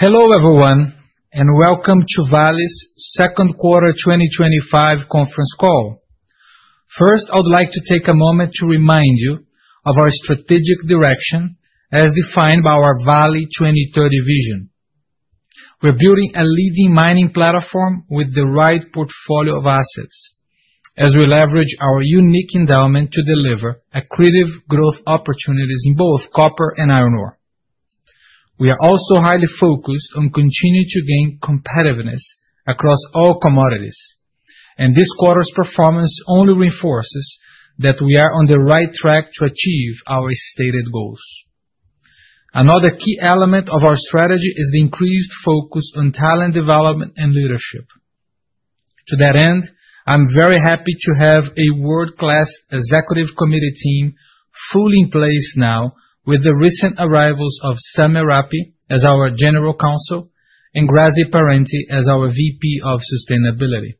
Hello everyone, and welcome to Vale's second quarter 2025 conference call. First, I would like to take a moment to remind you of our strategic direction as defined by our Vale 2030 vision. We're building a leading mining platform with the right portfolio of assets, as we leverage our unique endowment to deliver accretive growth opportunities in both copper and iron ore. We are also highly focused on continuing to gain competitiveness across all commodities, and this quarter's performance only reinforces that we are on the right track to achieve our stated goals. Another key element of our strategy is the increased focus on talent development and leadership. To that end, I'm very happy to have a world-class Executive Committee team fully in place now, with the recent arrivals of Sami Arap as our General Counsel and Grazie Parenti as our VP of Sustainability.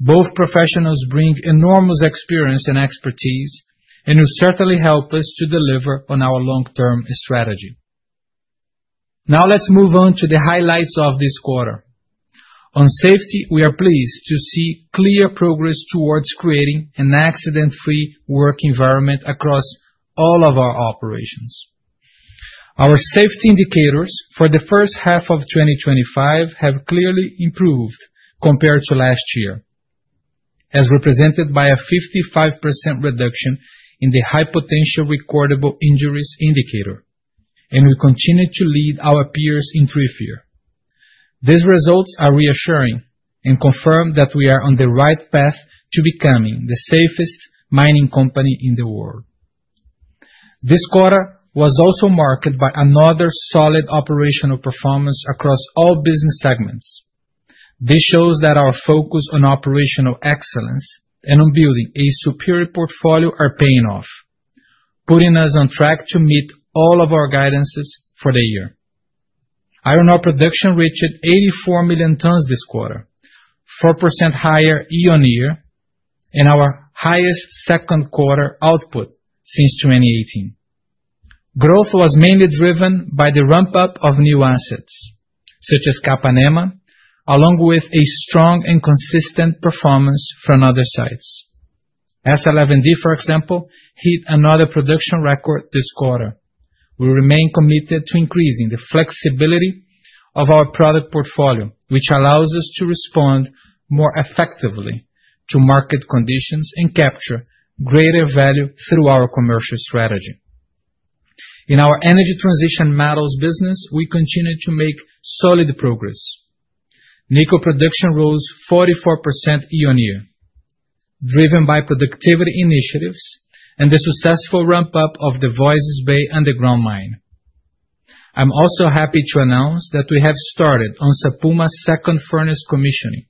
Both professionals bring enormous experience and expertise and will certainly help us to deliver on our long-term strategy. Now, let's move on to the highlights of this quarter. On safety, we are pleased to see clear progress towards creating an accident-free work environment across all of our operations. Our safety indicators for the first half of 2025 have clearly improved compared to last year, as represented by a 55% reduction in the high potential recordable injuries indicator, and we continue to lead our peers in free fear. These results are reassuring and confirm that we are on the right path to becoming the safest mining company in the world. This quarter was also marked by another solid operational performance across all business segments. This shows that our focus on operational excellence and on building a superior portfolio are paying off, putting us on track to meet all of our guidances for the year. Iron ore production reached 84 million tons this quarter, 4% higher year-on-year, and our highest second quarter output since 2018. Growth was mainly driven by the ramp-up of new assets, such as Capanema, along with a strong and consistent performance from other sites. Serra Sul, for example, hit another production record this quarter. We remain committed to increasing the flexibility of our product portfolio, which allows us to respond more effectively to market conditions and capture greater value through our commercial strategy. In our energy transition metals business, we continue to make solid progress. Nickel production rose 44% year-on-year, driven by productivity initiatives and the successful ramp-up of the Voisey’s Bay underground mine. I'm also happy to announce that we have started on Serra Sul's second furnace commissioning.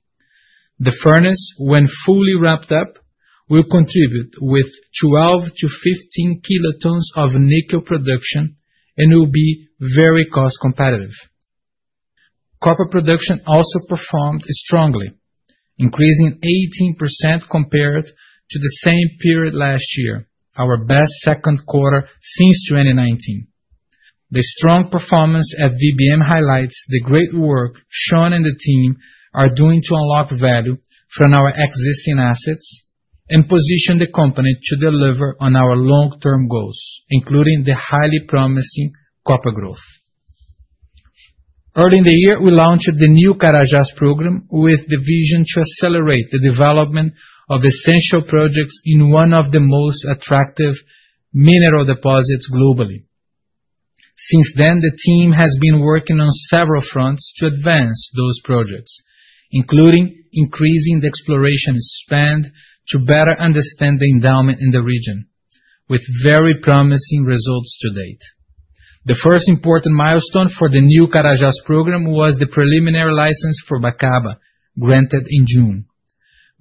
The furnace, when fully ramped up, will contribute with 12-15 kilotons of nickel production and will be very cost-competitive. Copper production also performed strongly, increasing 18% compared to the same period last year, our best second quarter since 2019. The strong performance at Voisey’s Bay Mine highlights the great work Shaun and the team are doing to unlock value from our existing assets and position the company to deliver on our long-term goals, including the highly promising copper growth. Early in the year, we launched the new Carajás program with the vision to accelerate the development of essential projects in one of the most attractive mineral deposits globally. Since then, the team has been working on several fronts to advance those projects, including increasing the exploration spend to better understand the endowment in the region, with very promising results to date. The first important milestone for the new Carajás program was the preliminary license for Bakaba, granted in June.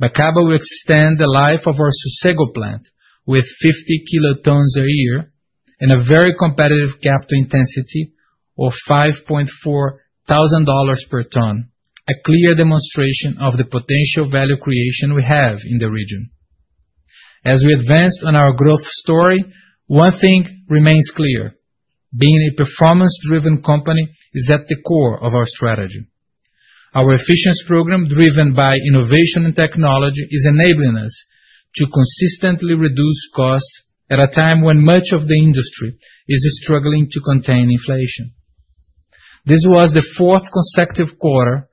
Bakaba will extend the life of our Sossego plant with 50 kilotons a year and a very competitive CapEx intensity of $5,400 per ton, a clear demonstration of the potential value creation we have in the region. As we advance on our growth story, one thing remains clear: being a performance-driven company is at the core of our strategy. Our efficiency program, driven by innovation and technology, is enabling us to consistently reduce costs at a time when much of the industry is struggling to contain inflation. This was the fourth consecutive quarter of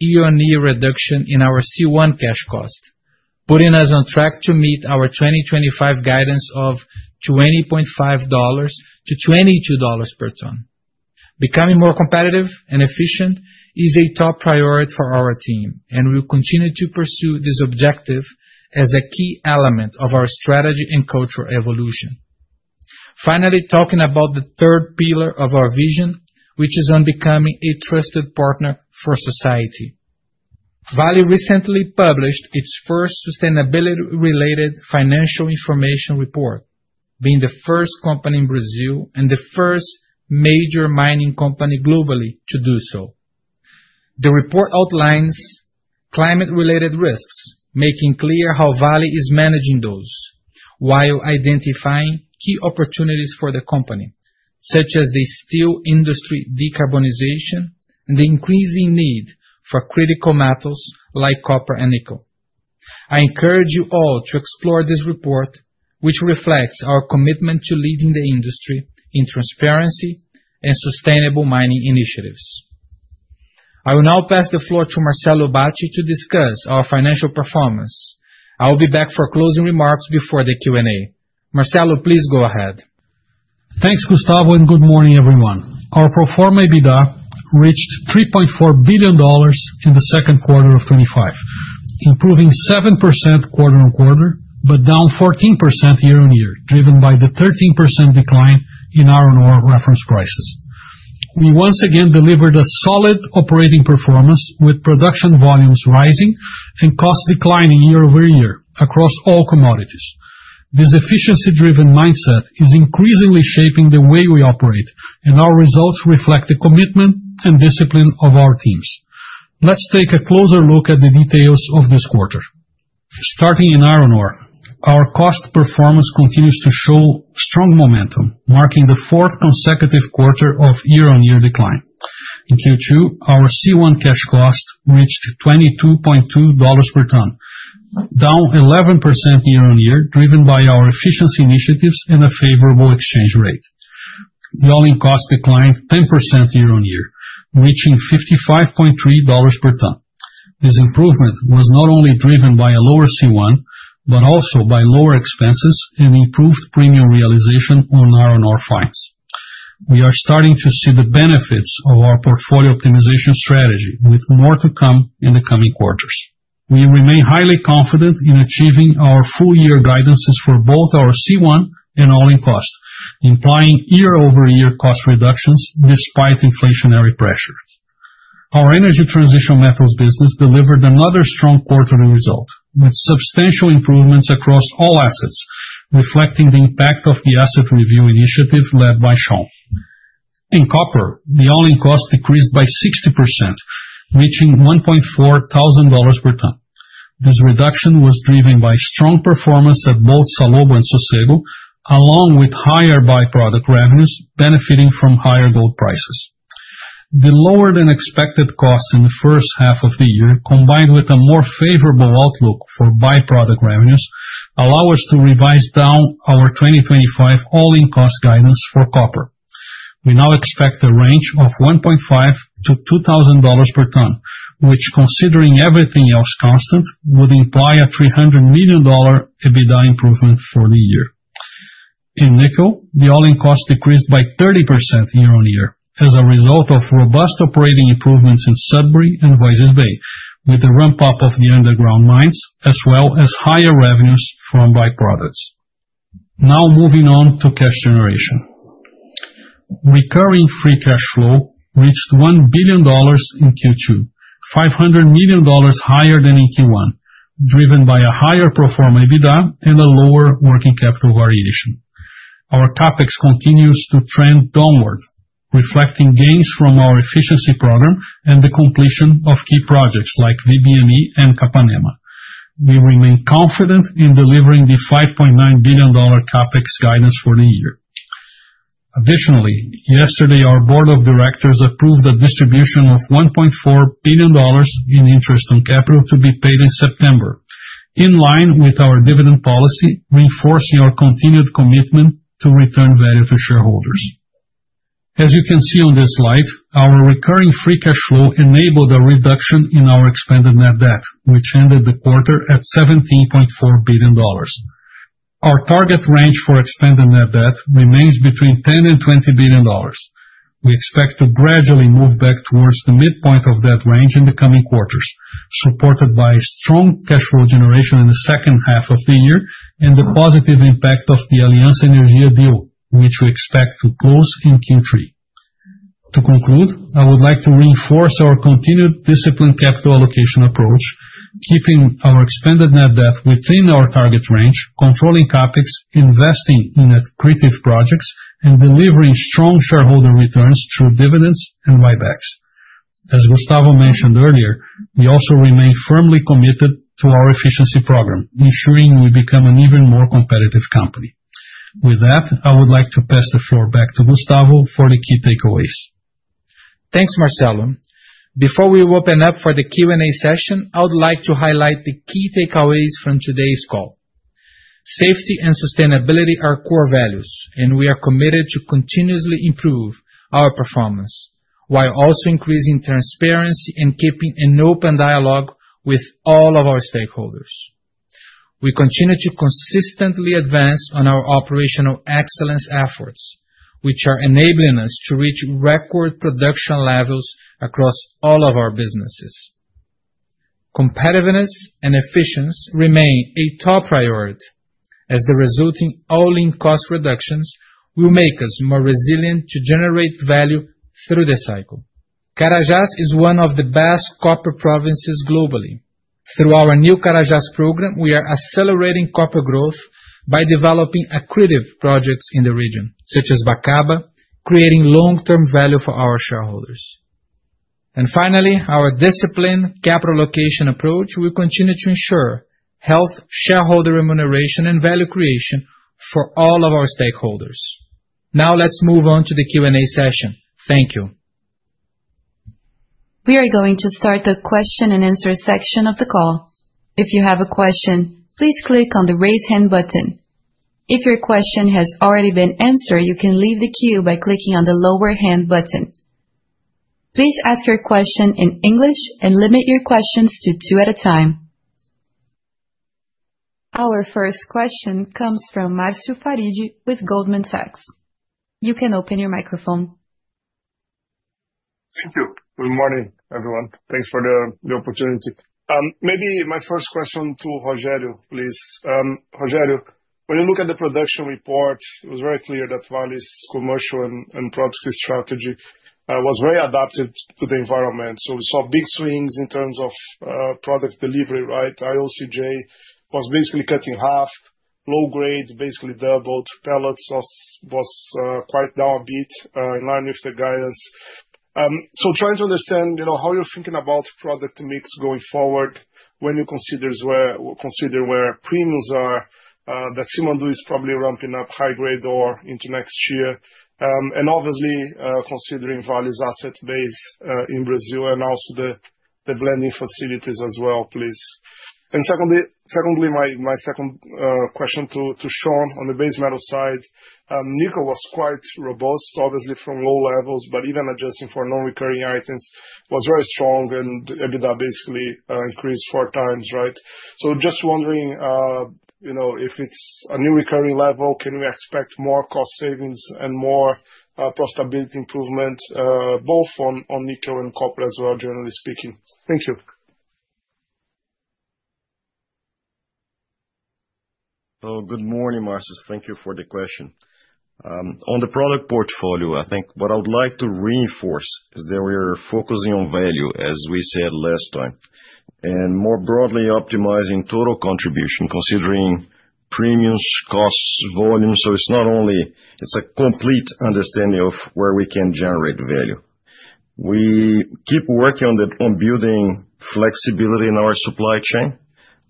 year-on-year reduction in our C1 cash cost, putting us on track to meet our 2025 guidance of $20.5-$22 per ton. Becoming more competitive and efficient is a top priority for our team, and we will continue to pursue this objective as a key element of our strategy and cultural evolution. Finally, talking about the third pillar of our vision, which is on becoming a trusted partner for society. Vale recently published its first sustainability-related financial information report, being the first company in Brazil and the first major mining company globally to do so. The report outlines climate-related risks, making clear how Vale is managing those while identifying key opportunities for the company, such as the steel industry decarbonization and the increasing need for critical metals like copper and nickel. I encourage you all to explore this report, which reflects our commitment to leading the industry in transparency and sustainable mining initiatives. I will now pass the floor to Marcelo Bacci to discuss our financial performance. I'll be back for closing remarks before the Q&A. Marcelo, please go ahead. Thanks, Gustavo, and good morning, everyone. Our pro forma EBITDA reached $3.4 billion in the second quarter of 2025, improving 7% quarter-on-quarter, but down 14% year-on-year, driven by the 13% decline in our reference prices. We once again delivered a solid operating performance, with production volumes rising and costs declining year over year across all commodities. This efficiency-driven mindset is increasingly shaping the way we operate, and our results reflect the commitment and discipline of our teams. Let's take a closer look at the details of this quarter. Starting in iron ore, our cost performance continues to show strong momentum, marking the fourth consecutive quarter of year-on-year decline. In Q2, our C1 cash cost reached $22.2 per ton, down 11% year-on-year, driven by our efficiency initiatives and a favorable exchange rate. The all-in cost declined 10% year-on-year, reaching $55.3 per ton. This improvement was not only driven by a lower C1, but also by lower expenses and improved premium realization on our fines. We are starting to see the benefits of our portfolio optimization strategy, with more to come in the coming quarters. We remain highly confident in achieving our full-year guidances for both our C1 and all-in cost, implying year-over-year cost reductions despite inflationary pressures. Our energy transition metals business delivered another strong quarterly result, with substantial improvements across all assets, reflecting the impact of the asset review initiative led by Shaun. In copper, the all-in cost decreased by 60%, reaching $1,400 per ton. This reduction was driven by strong performance at both Salobo and Sossego, along with higher byproduct revenues benefiting from higher gold prices. The lower than expected costs in the first half of the year, combined with a more favorable outlook for byproduct revenues, allow us to revise down our 2025 all-in cost guidance for copper. We now expect a range of $1,500-$2,000 per ton, which, considering everything else constant, would imply a $300 million EBITDA improvement for the year. In nickel, the all-in cost decreased by 30% year-on-year as a result of robust operating improvements in Sudbury and Voisey’s Bay, with the ramp-up of the underground mines, as well as higher revenues from byproducts. Now moving on to cash generation. Recurring free cash flow reached $1 billion in Q2, $500 million higher than in Q1, driven by a higher performance EBITDA and a lower working capital variation. Our CapEx continues to trend downward, reflecting gains from our efficiency program and the completion of key projects like VBME and Capanema. We remain confident in delivering the $5.9 billion CapEx guidance for the year. Additionally, yesterday, our Board of Directors approved the distribution of $1.4 billion in interest on capital to be paid in September, in line with our dividend policy, reinforcing our continued commitment to return value to shareholders. As you can see on this slide, our recurring free cash flow enabled a reduction in our expanded net debt, which ended the quarter at $17.4 billion. Our target range for expanded net debt remains between $10 billion and $20 billion. We expect to gradually move back towards the midpoint of that range in the coming quarters, supported by strong cash flow generation in the second half of the year and the positive impact of the Aliança Energia deal, which we expect to close in Q3. To conclude, I would like to reinforce our continued disciplined capital allocation approach, keeping our expanded net debt within our target range, controlling CapEx, investing in accretive projects, and delivering strong shareholder returns through dividends and buybacks. As Gustavo mentioned earlier, we also remain firmly committed to our efficiency program, ensuring we become an even more competitive company. With that, I would like to pass the floor back to Gustavo for the key takeaways. Thanks, Marcelo. Before we open up for the Q&A session, I would like to highlight the key takeaways from today's call. Safety and sustainability are core values, and we are committed to continuously improve our performance while also increasing transparency and keeping an open dialogue with all of our stakeholders. We continue to consistently advance on our operational excellence efforts, which are enabling us to reach record production levels across all of our businesses. Competitiveness and efficiency remain a top priority, as the resulting all-in cost reductions will make us more resilient to generate value through the cycle. Carajás is one of the best copper provinces globally. Through our new Carajás program, we are accelerating copper growth by developing accretive projects in the region, such as Bakaba, creating long-term value for our shareholders. Finally, our disciplined capital allocation approach will continue to ensure healthy shareholder remuneration and value creation for all of our stakeholders. Now let's move on to the Q&A session. Thank you. We are going to start the question-and-answer section of the call. If you have a question, please click on the raise hand button. If your question has already been answered, you can leave the queue by clicking on the lower hand button. Please ask your question in English and limit your questions to two at a time. Our first question comes from Marcio Farid with Goldman Sachs. You can open your microphone. Thank you. Good morning, everyone. Thanks for the opportunity. Maybe my first question to Rogério, please. Rogério, when you look at the production report, it was very clear that Vale's commercial and product strategy was very adapted to the environment. We saw big swings in terms of product delivery, right? IOCJ was basically cut in half, low grade basically doubled, pellets was quite down a bit, in line with the guidance. Trying to understand how you're thinking about product mix going forward when you consider where premiums are, that Simandou is probably ramping up high grade ore into next year, and obviously considering Vale's asset base in Brazil and also the blending facilities as well, please. My second question to Shaun on the base metal side, nickel was quite robust, obviously from low levels, but even adjusting for non-recurring items was very strong, and EBITDA basically increased four times, right? Just wondering if it's a new recurring level, can we expect more cost savings and more profitability improvement, both on nickel and copper as well, generally speaking? Thank you. Oh, good morning, Marcio Thank you for the question. On the product portfolio, I think what I would like to reinforce is that we are focusing on value, as we said last time, and more broadly optimizing total contribution considering premiums, costs, volume. It's not only a complete understanding of where we can generate value. We keep working on building flexibility in our supply chain.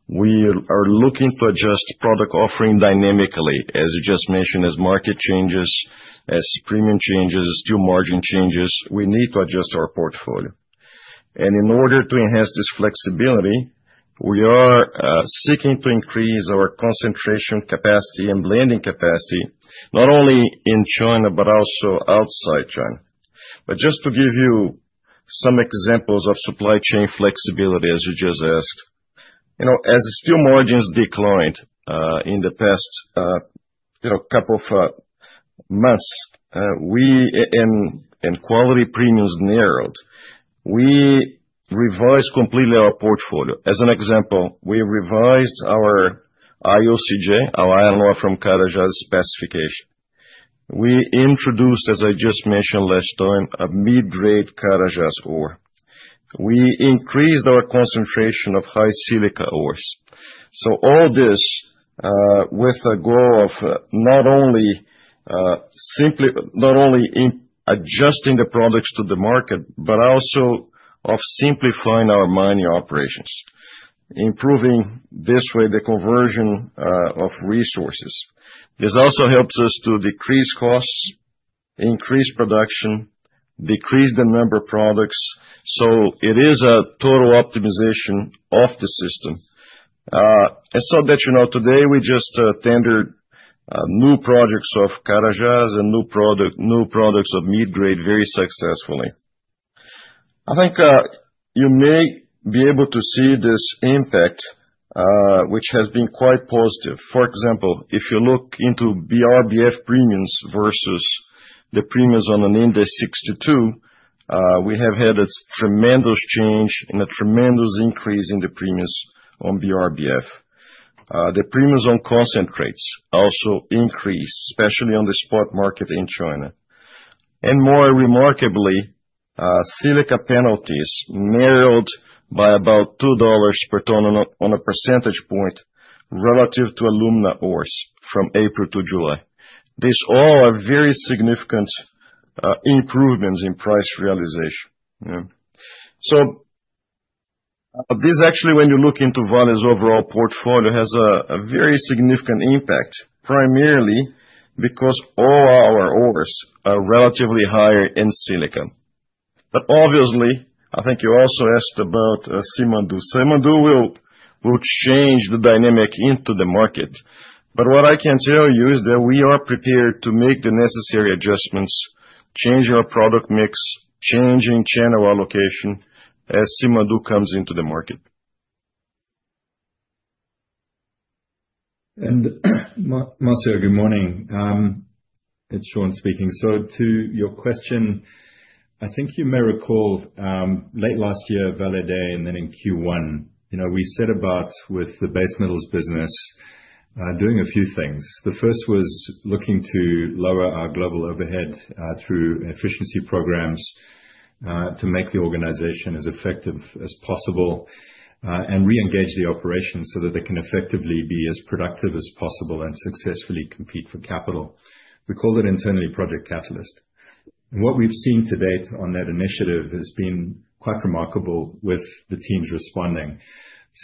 We are looking to adjust product offering dynamically, as you just mentioned, as market changes, as premium changes, steel margin changes. We need to adjust our portfolio. In order to enhance this flexibility, we are seeking to increase our concentration capacity and blending capacity, not only in China, but also outside China. Just to give you some examples of supply chain flexibility, as you just asked, as the steel margins declined in the past couple of months and quality premiums narrowed, we revised completely our portfolio. As an example, we revised our IOCJ, our iron ore from Carajás specification. We introduced, as I just mentioned last time, a mid-grade Carajás ore. We increased our concentration of high silica ores. All this with a goal of not only simply not only adjusting the products to the market, but also of simplifying our mining operations, improving this way the conversion of resources. This also helps us to decrease costs, increase production, decrease the number of products. It is a total optimization of the system. Today we just tendered new projects of Carajás and new products of mid-grade very successfully. I think you may be able to see this impact, which has been quite positive. For example, if you look into BRBF premiums versus the premiums on an index 62, we have had a tremendous change and a tremendous increase in the premiums on BRBF. The premiums on concentrates also increased, especially on the spot market in China. More remarkably, silica penalties narrowed by about $2 per tonne on a percentage point relative to alumina ores from April to July. These all are very significant improvements in price realization. This actually, when you look into Vale's overall portfolio, has a very significant impact, primarily because all our ores are relatively higher in silica. Obviously, I think you also asked about Simandou. Simandou will change the dynamic into the market. What I can tell you is that we are prepared to make the necessary adjustments, change our product mix, changing channel allocation as Simandou comes into the market. Marcio, good morning. It's Shaun speaking. To your question, I think you may recall late last year, Vale Day, and then in Q1, we set about with the base metals business doing a few things. The first was looking to lower our global overhead through efficiency programs to make the organization as effective as possible and re-engage the operations so that they can effectively be as productive as possible and successfully compete for capital. We call that internally Project Catalyst. What we've seen to date on that initiative has been quite remarkable with the teams responding.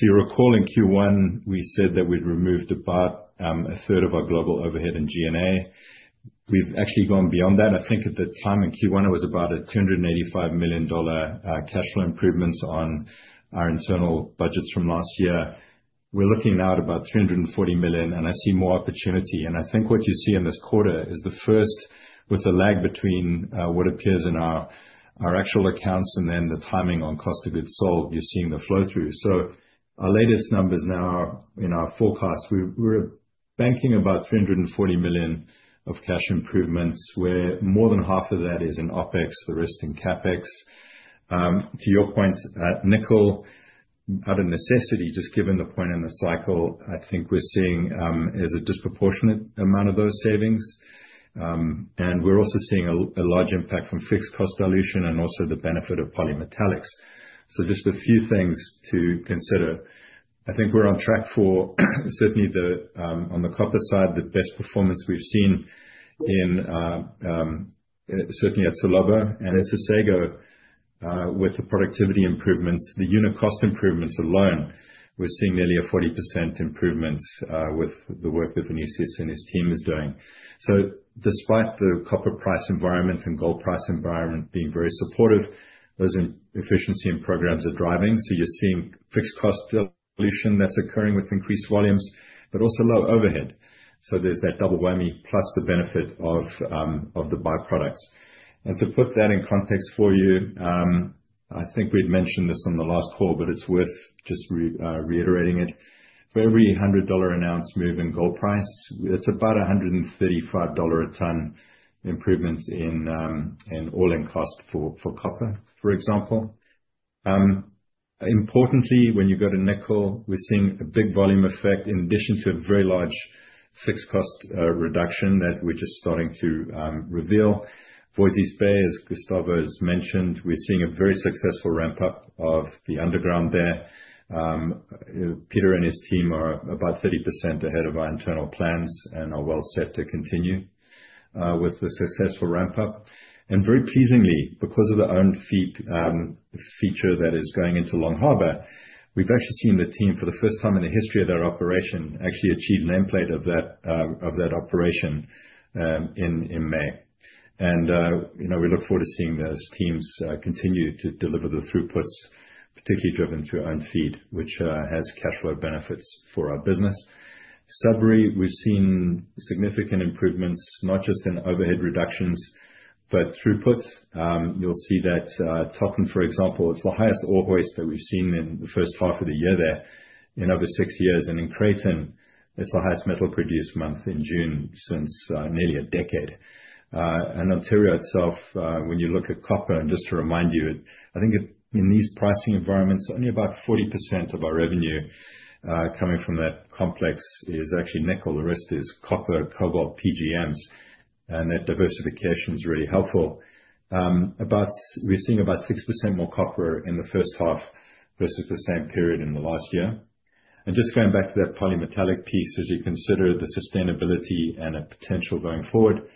You recall in Q1, we said that we'd removed about a third of our global overhead in G&A. We've actually gone beyond that. I think at the time in Q1, it was about a $285 million cash flow improvement on our internal budgets from last year. We're looking now at about $340 million, and I see more opportunity. I think what you see in this quarter is the first with a lag between what appears in our actual accounts and then the timing on cost of goods sold. You're seeing the flow-through. Our latest numbers now in our forecast, we're banking about $340 million of cash improvements, where more than half of that is in OpEx, the rest in CapEx. To your point, nickel, out of necessity, just given the point in the cycle, I think we're seeing a disproportionate amount of those savings. We're also seeing a large impact from fixed cost dilution and also the benefit of polymetallics. Just a few things to consider. I think we're on track for certainly on the copper side, the best performance we've seen certainly at Salobo and at Sossego, with the productivity improvements, the unit cost improvements alone, we're seeing nearly a 40% improvement with the work that Vinicius and his team is doing. Despite the copper price environment and gold price environment being very supportive, those efficiency and programs are driving. You're seeing fixed cost dilution that's occurring with increased volumes, but also low overhead. There's that double whammy plus the benefit of the byproducts. To put that in context for you, I think we had mentioned this on the last call, but it's worth just reiterating it. For every $100 an ounce move in gold price, it's about $135 a ton improvement in all-in cost for copper, for example. Importantly, when you go to nickel, we're seeing a big volume effect in addition to a very large fixed cost reduction that we're just starting to reveal. Voisey’s Bay, as Gustavo has mentioned, we're seeing a very successful ramp-up of the underground there. Peter and his team are about 30% ahead of our internal plans and are well set to continue with the successful ramp-up. Very pleasingly, because of the owned feed feature that is going into Long Harbour, we've actually seen the team for the first time in the history of their operation actually achieve an end plate of that operation in May. We look forward to seeing those teams continue to deliver the throughputs, particularly driven through owned feed, which has cash flow benefits for our business. Sudbury, we've seen significant improvements, not just in overhead reductions, but throughputs. You'll see that Thompson, for example, it's the highest ore hoist that we've seen in the first half of the year there in over six years. In Creighton, it's the highest metal produced month in June since nearly a decade. Ontario itself, when you look at copper, and just to remind you, I think in these pricing environments, only about 40% of our revenue coming from that complex is actually nickel. The rest is copper, cobalt, PGMs. That diversification is really helpful. We're seeing about 6% more copper in the first half versus the same period in the last year. Just going back to that polymetallic piece, as you consider the sustainability and a potential going forward,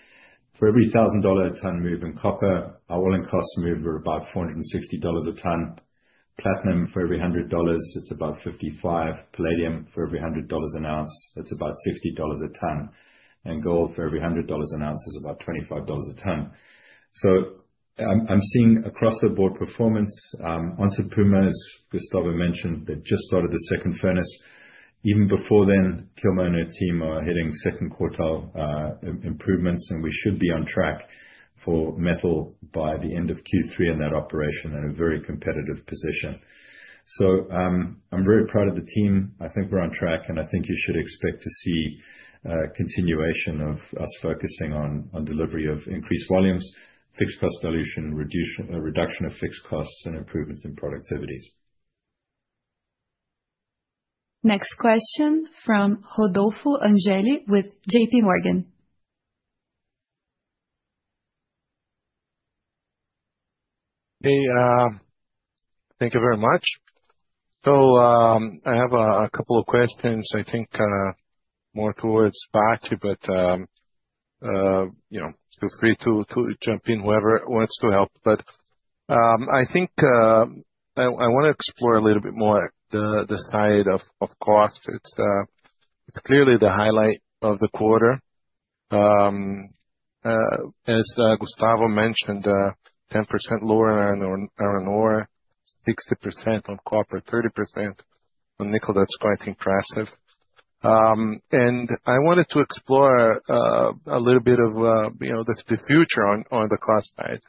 for every $1,000 a ton move in copper, our all-in costs move are about $460 a ton. Platinum for every $100, it's about $55. Palladium for every $100 an ounce, it's about $60 a ton. Gold for every $100 an ounce is about $25 a ton. I'm seeing across-the-board performance. On Serra Sul, as Gustavo mentioned, they've just started the second furnace. Even before then, Kilmer and her team are heading second quartile improvements, and we should be on track for metal by the end of Q3 in that operation in a very competitive position. I'm very proud of the team. I think we're on track, and I think you should expect to see a continuation of us focusing on delivery of increased volumes, fixed cost dilution, reduction of fixed costs, and improvements in productivities. Next question from Rodolfo Angele with JPMorgan. Hey, thank you very much. I have a couple of questions, I think more towards Bacci, but feel free to jump in whoever wants to help. I want to explore a little bit more the side of cost. It's clearly the highlight of the quarter. As Gustavo mentioned, 10% lower on iron ore, 60% on copper, 30% on nickel. That's quite impressive. I wanted to explore a little bit of the future on the cost side.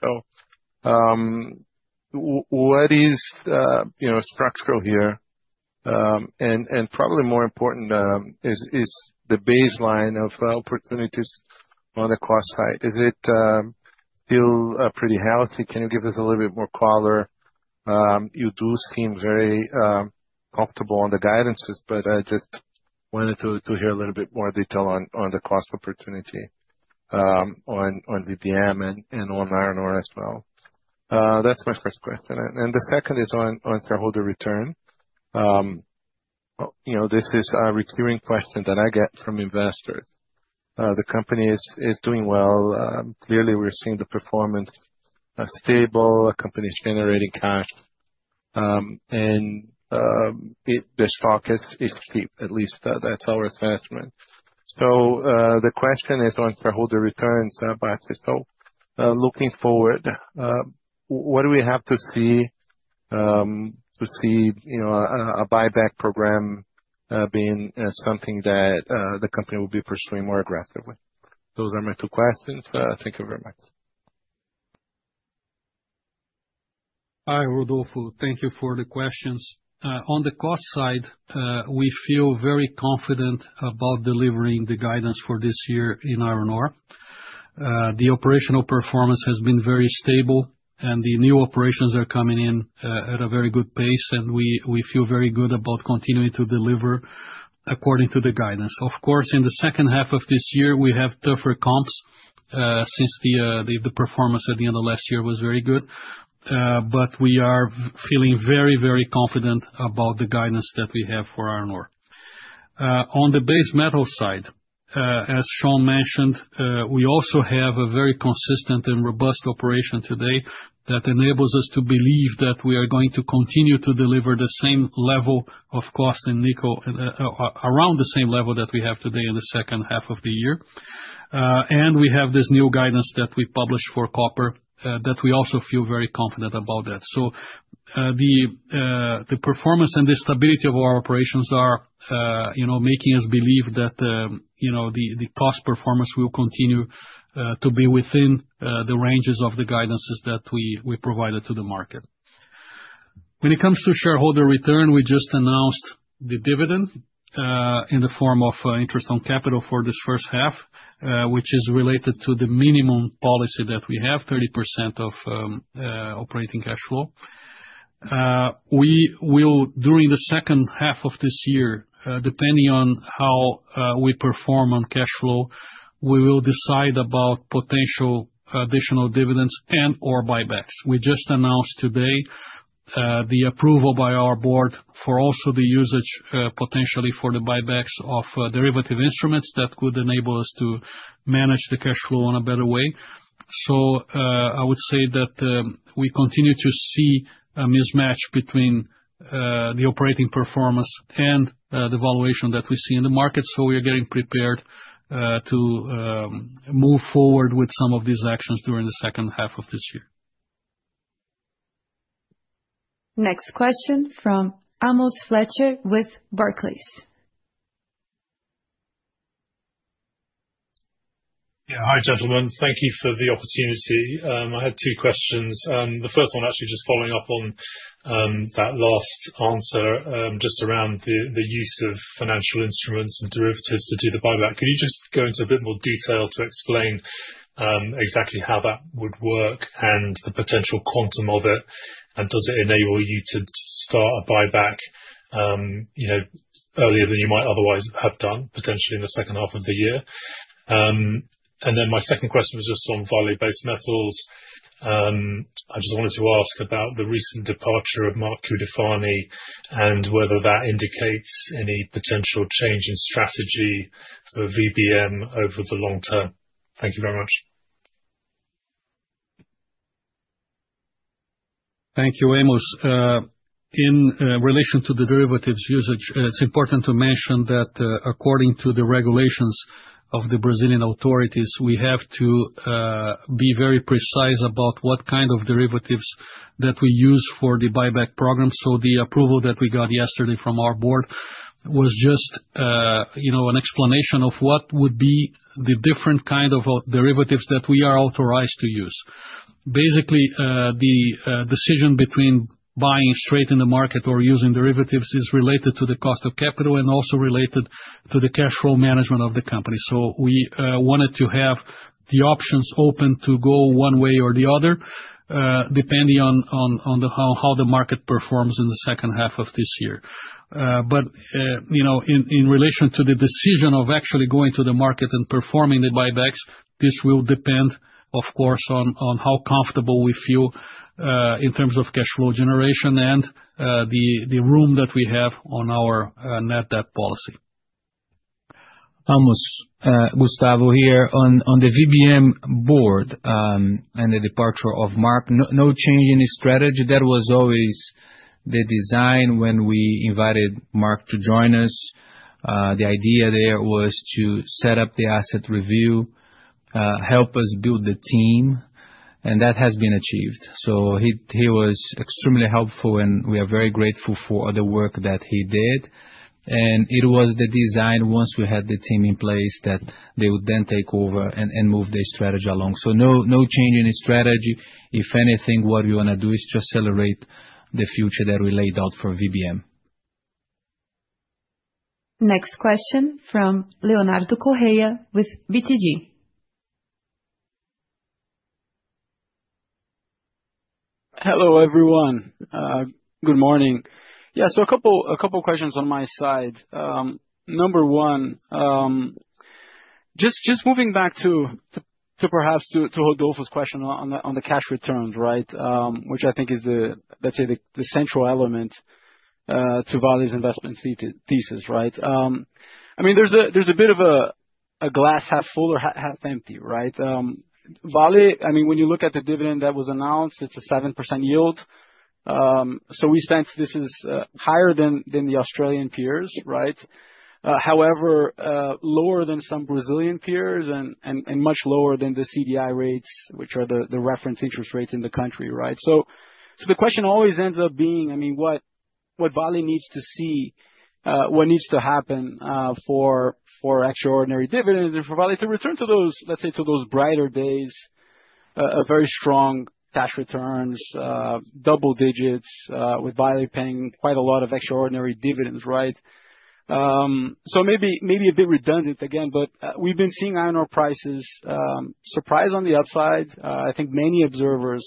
What is structural here? Probably more important is the baseline of opportunities on the cost side. Is it still pretty healthy? Can you give us a little bit more color? You do seem very comfortable on the guidances, but I just wanted to hear a little bit more detail on the cost opportunity on VBM and on iron ore as well. That's my first question. The second is on shareholder return. This is a recurring question that I get from investors. The company is doing well. Clearly, we're seeing the performance stable. The company is generating cash. The stock is cheap. At least that's our assessment. The question is on shareholder returns, Bacci. Looking forward, what do we have to see to see a buyback program being something that the company will be pursuing more aggressively? Those are my two questions. Thank you very much. Hi, Rodolfo. Thank you for the questions. On the cost side, we feel very confident about delivering the guidance for this year in iron ore. The operational performance has been very stable, and the new operations are coming in at a very good pace, and we feel very good about continuing to deliver according to the guidance. Of course, in the second half of this year, we have tougher comps since the performance at the end of last year was very good. We are feeling very, very confident about the guidance that we have for iron ore. On the base metal side, as Shaun mentioned, we also have a very consistent and robust operation today that enables us to believe that we are going to continue to deliver the same level of cost in nickel around the same level that we have today in the second half of the year. We have this new guidance that we published for copper that we also feel very confident about that. The performance and the stability of our operations are making us believe that the cost performance will continue to be within the ranges of the guidances that we provided to the market. When it comes to shareholder return, we just announced the dividend in the form of interest on capital for this first half, which is related to the minimum policy that we have, 30% of operating cash flow. During the second half of this year, depending on how we perform on cash flow, we will decide about potential additional dividends and/or buybacks. We just announced today the approval by our board for also the usage potentially for the buybacks of derivative instruments that would enable us to manage the cash flow in a better way. I would say that we continue to see a mismatch between the operating performance and the valuation that we see in the market. We are getting prepared to move forward with some of these actions during the second half of this year. Next question from Amos Fletcher with Barclays. Yeah. Hi, gentlemen. Thank you for the opportunity. I had two questions. The first one actually just following up on that last answer just around the use of financial instruments and derivatives to do the buyback. Could you just go into a bit more detail to explain exactly how that would work and the potential quantum of it? Does it enable you to start a buyback earlier than you might otherwise have done potentially in the second half of the year? My second question was just on Vale Base Metals. I just wanted to ask about the recent departure of Mark Cutifani and whether that indicates any potential change in strategy for VBM over the long term. Thank you very much. Thank you very much. In relation to the derivatives usage, it's important to mention that according to the regulations of the Brazilian authorities, we have to be very precise about what kind of derivatives that we use for the buyback program. The approval that we got yesterday from our board was just an explanation of what would be the different kind of derivatives that we are authorized to use. Basically, the decision between buying straight in the market or using derivatives is related to the cost of capital and also related to the cash flow management of the company. We wanted to have the options open to go one way or the other depending on how the market performs in the second half of this year. In relation to the decision of actually going to the market and performing the buybacks, this will depend, of course, on how comfortable we feel in terms of cash flow generation and the room that we have on our net debt policy. Amos, Gustavo here on the VBM board and the departure of Mark. No change in his strategy. That was always the design when we invited Mark to join us. The idea there was to set up the asset review, help us build the team, and that has been achieved. He was extremely helpful, and we are very grateful for the work that he did. It was the design, once we had the team in place, that they would then take over and move their strategy along. No change in his strategy. If anything, what we want to do is just celebrate the future that we laid out for VBM. Next question from Leonardo Correa with BTG. Hello, everyone. Good morning. A couple of questions on my side. Number one, just moving back to perhaps to Rodolfo's question on the cash returns, which I think is the, let's say, the central element to Vale's investment thesis. I mean, there's a bit of a glass half full or half empty. Vale, I mean, when you look at the dividend that was announced, it's a 7% yield. We sense this is higher than the Australian peers, however, lower than some Brazilian peers and much lower than the CDI rates, which are the reference interest rates in the country. The question always ends up being, I mean, what Vale needs to see, what needs to happen for extraordinary dividends and for Vale to return to those, let's say, to those brighter days, very strong cash returns, double digits, with Vale paying quite a lot of extraordinary dividends. Maybe a bit redundant again, but we've been seeing iron ore prices surprise on the upside. I think many observers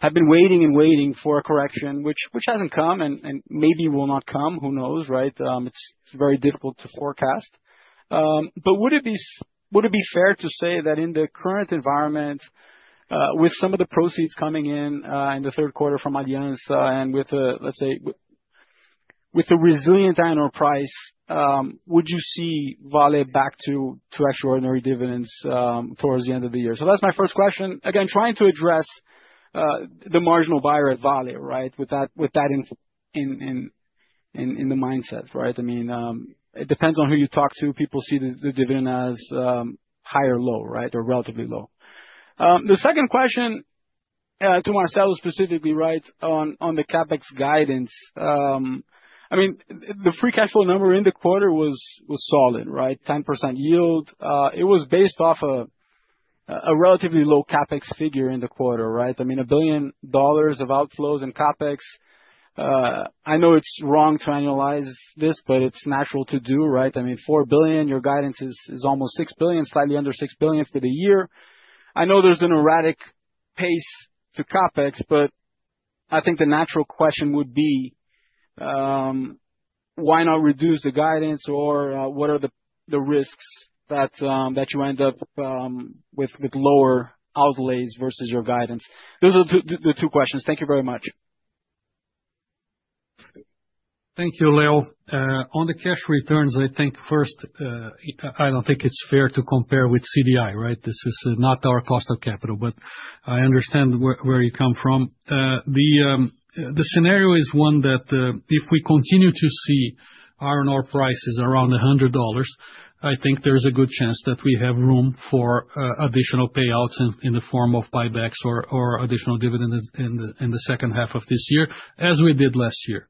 have been waiting and waiting for a correction, which hasn't come and maybe will not come. Who knows, it's very difficult to forecast. Would it be fair to say that in the current environment, with some of the proceeds coming in in the third quarter from Allianz and with the, let's say, with the resilient iron ore price, would you see Vale back to extraordinary dividends towards the end of the year? That's my first question. Again, trying to address the marginal buyer at Vale, with that in the mindset. I mean, it depends on who you talk to. People see the dividend as high or low, or relatively low. The second question to Marcelo specifically, on the CapEx guidance, the free cash flow number in the quarter was solid, 10% yield. It was based off a relatively low CapEx figure in the quarter, $1 billion of outflows in CapEx. I know it's wrong to annualize this, but it's natural to do. I mean, $4 billion, your guidance is almost $6 billion, slightly under $6 billion for the year. I know there's an erratic pace to CapEx, but I think the natural question would be, why not reduce the guidance, or what are the risks that you end up with lower outlays versus your guidance? Those are the two questions. Thank you very much. Thank you, Leo. On the cash returns, I think first, I don't think it's fair to compare with CDI, right? This is not our cost of capital, but I understand where you come from. The scenario is one that if we continue to see iron ore prices around $100, I think there's a good chance that we have room for additional payouts in the form of buybacks or additional dividends in the second half of this year, as we did last year.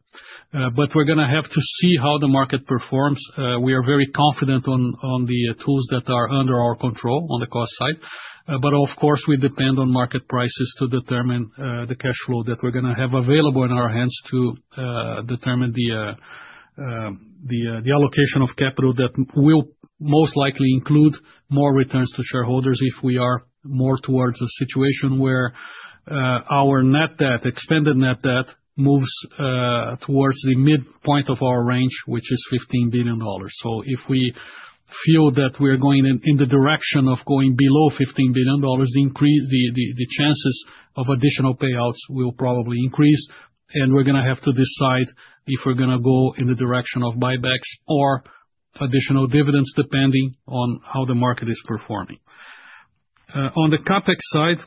We're going to have to see how the market performs. We are very confident on the tools that are under our control on the cost side. Of course, we depend on market prices to determine the cash flow that we're going to have available in our hands to determine the allocation of capital that will most likely include more returns to shareholders if we are more towards a situation where our net debt, expended net debt, moves towards the midpoint of our range, which is $15 billion. If we feel that we are going in the direction of going below $15 billion, the chances of additional payouts will probably increase. We're going to have to decide if we're going to go in the direction of buybacks or additional dividends, depending on how the market is performing. On the CapEx side,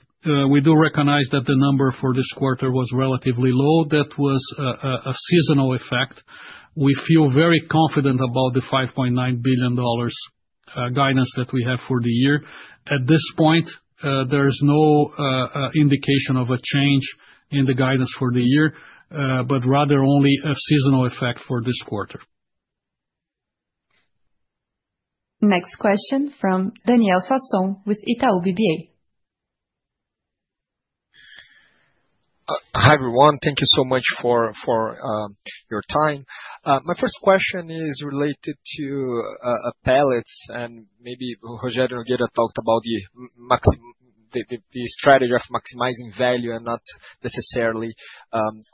we do recognize that the number for this quarter was relatively low. That was a seasonal effect. We feel very confident about the $5.9 billion guidance that we have for the year. At this point, there is no indication of a change in the guidance for the year, but rather only a seasonal effect for this quarter. Next question from Daniel Sasson with Itaú BBA. Hi, everyone. Thank you so much for your time. My first question is related to pellets, and maybe Rogério talked about the strategy of maximizing value and not necessarily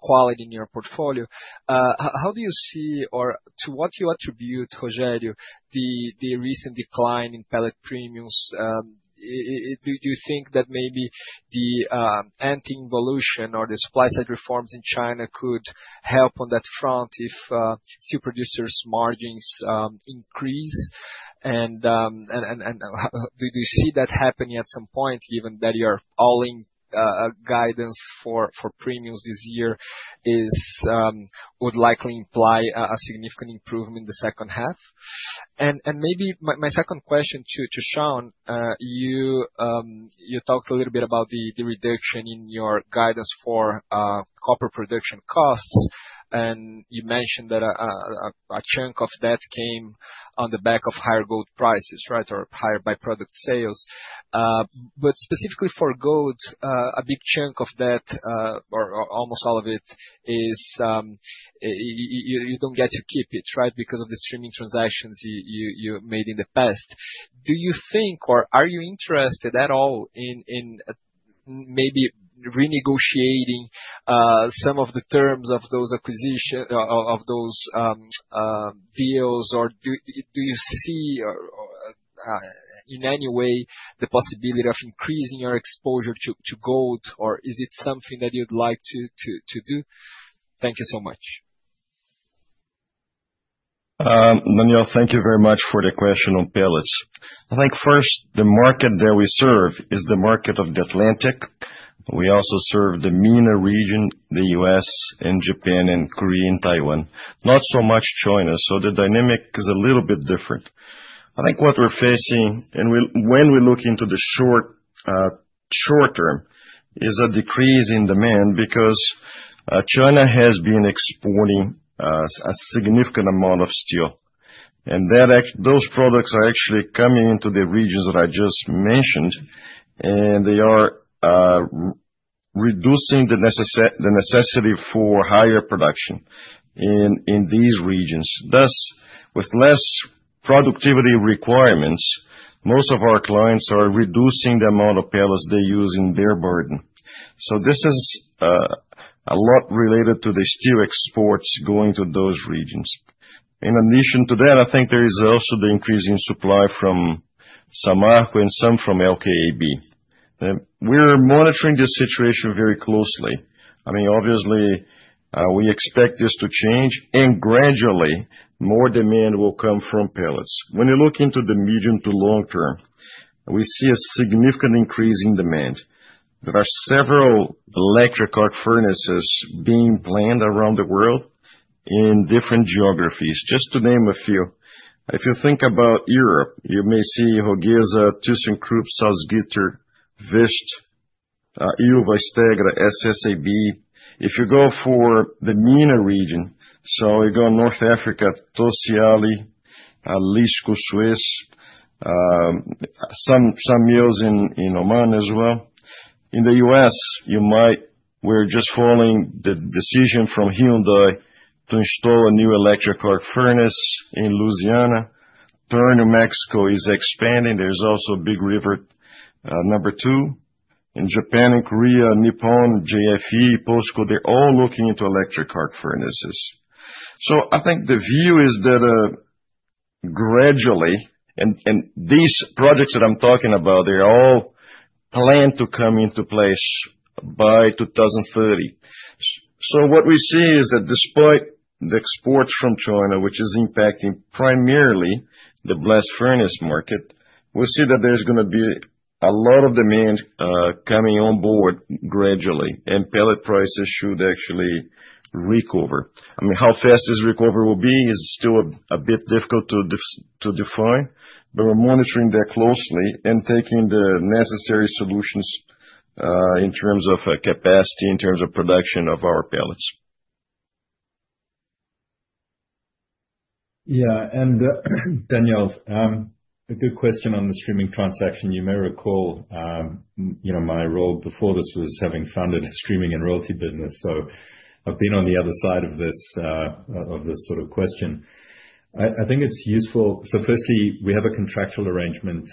quality in your portfolio. How do you see, or to what do you attribute, Rogério, the recent decline in pellet premiums? Do you think that maybe the anti-involution or the supply-side reforms in China could help on that front if steel producers' margins increase? Do you see that happening at some point, given that your all-in guidance for premiums this year would likely imply a significant improvement in the second half? My second question to Shaun, you talked a little bit about the reduction in your guidance for copper production costs, and you mentioned that a chunk of that came on the back of higher gold prices, right, or higher byproduct sales. Specifically for gold, a big chunk of that, or almost all of it, is you don't get to keep it, right, because of the streaming transactions you made in the past. Do you think, or are you interested at all in maybe renegotiating some of the terms of those acquisitions or of those deals, or do you see in any way the possibility of increasing your exposure to gold, or is it something that you'd like to do? Thank you so much. Daniel thank you very much for the question on pellets. I think first, the market that we serve is the market of the Atlantic. We also serve the MENA region, the U.S., Japan, Korea, and Taiwan, not so much China. The dynamic is a little bit different. I think what we're facing, and when we look into the short term, is a decrease in demand because China has been exporting a significant amount of steel. Those products are actually coming into the regions that I just mentioned, and they are reducing the necessity for higher production in these regions. With less productivity requirements, most of our clients are reducing the amount of pellets they use in their burden. This is a lot related to the steel exports going to those regions. In addition to that, I think there is also the increase in supply from Samarco and some from LKAB. We're monitoring this situation very closely. Obviously, we expect this to change, and gradually, more demand will come from pellets. When you look into the medium to long term, we see a significant increase in demand. There are several electric arc furnaces being planned around the world in different geographies, just to name a few. If you think about Europe, you may see Hogiesa, ThyssenKrupp, Salzgitter, Vist, Ilva, Estegra,, SSAB. If you go for the MENA region, so you go in North Africa, Tosyali, LICO Swiss, some mills in Oman as well. In the U.S., we're just following the decision from Hyundai to install a new electric arc furnace in Louisiana. Tern, New Mexico is expanding. There's also Big River, number two. In Japan and Korea, Nippon Steel, JFE, Potsco they're all looking into electric arc furnaces. The view is that gradually, and these projects that I'm talking about, they all plan to come into place by 2030. What we see is that despite the exports from China, which is impacting primarily the blast furnace market, there's going to be a lot of demand coming on board gradually, and pellet prices should actually recover. How fast this recovery will be is still a bit difficult to define, but we're monitoring that closely and taking the necessary solutions in terms of capacity, in terms of production of our pellets. Yeah. Daniel, a good question on the streaming transaction. You may recall, my role before this was having funded a streaming and royalty business. I've been on the other side of this sort of question. I think it's useful. Firstly, we have a contractual arrangement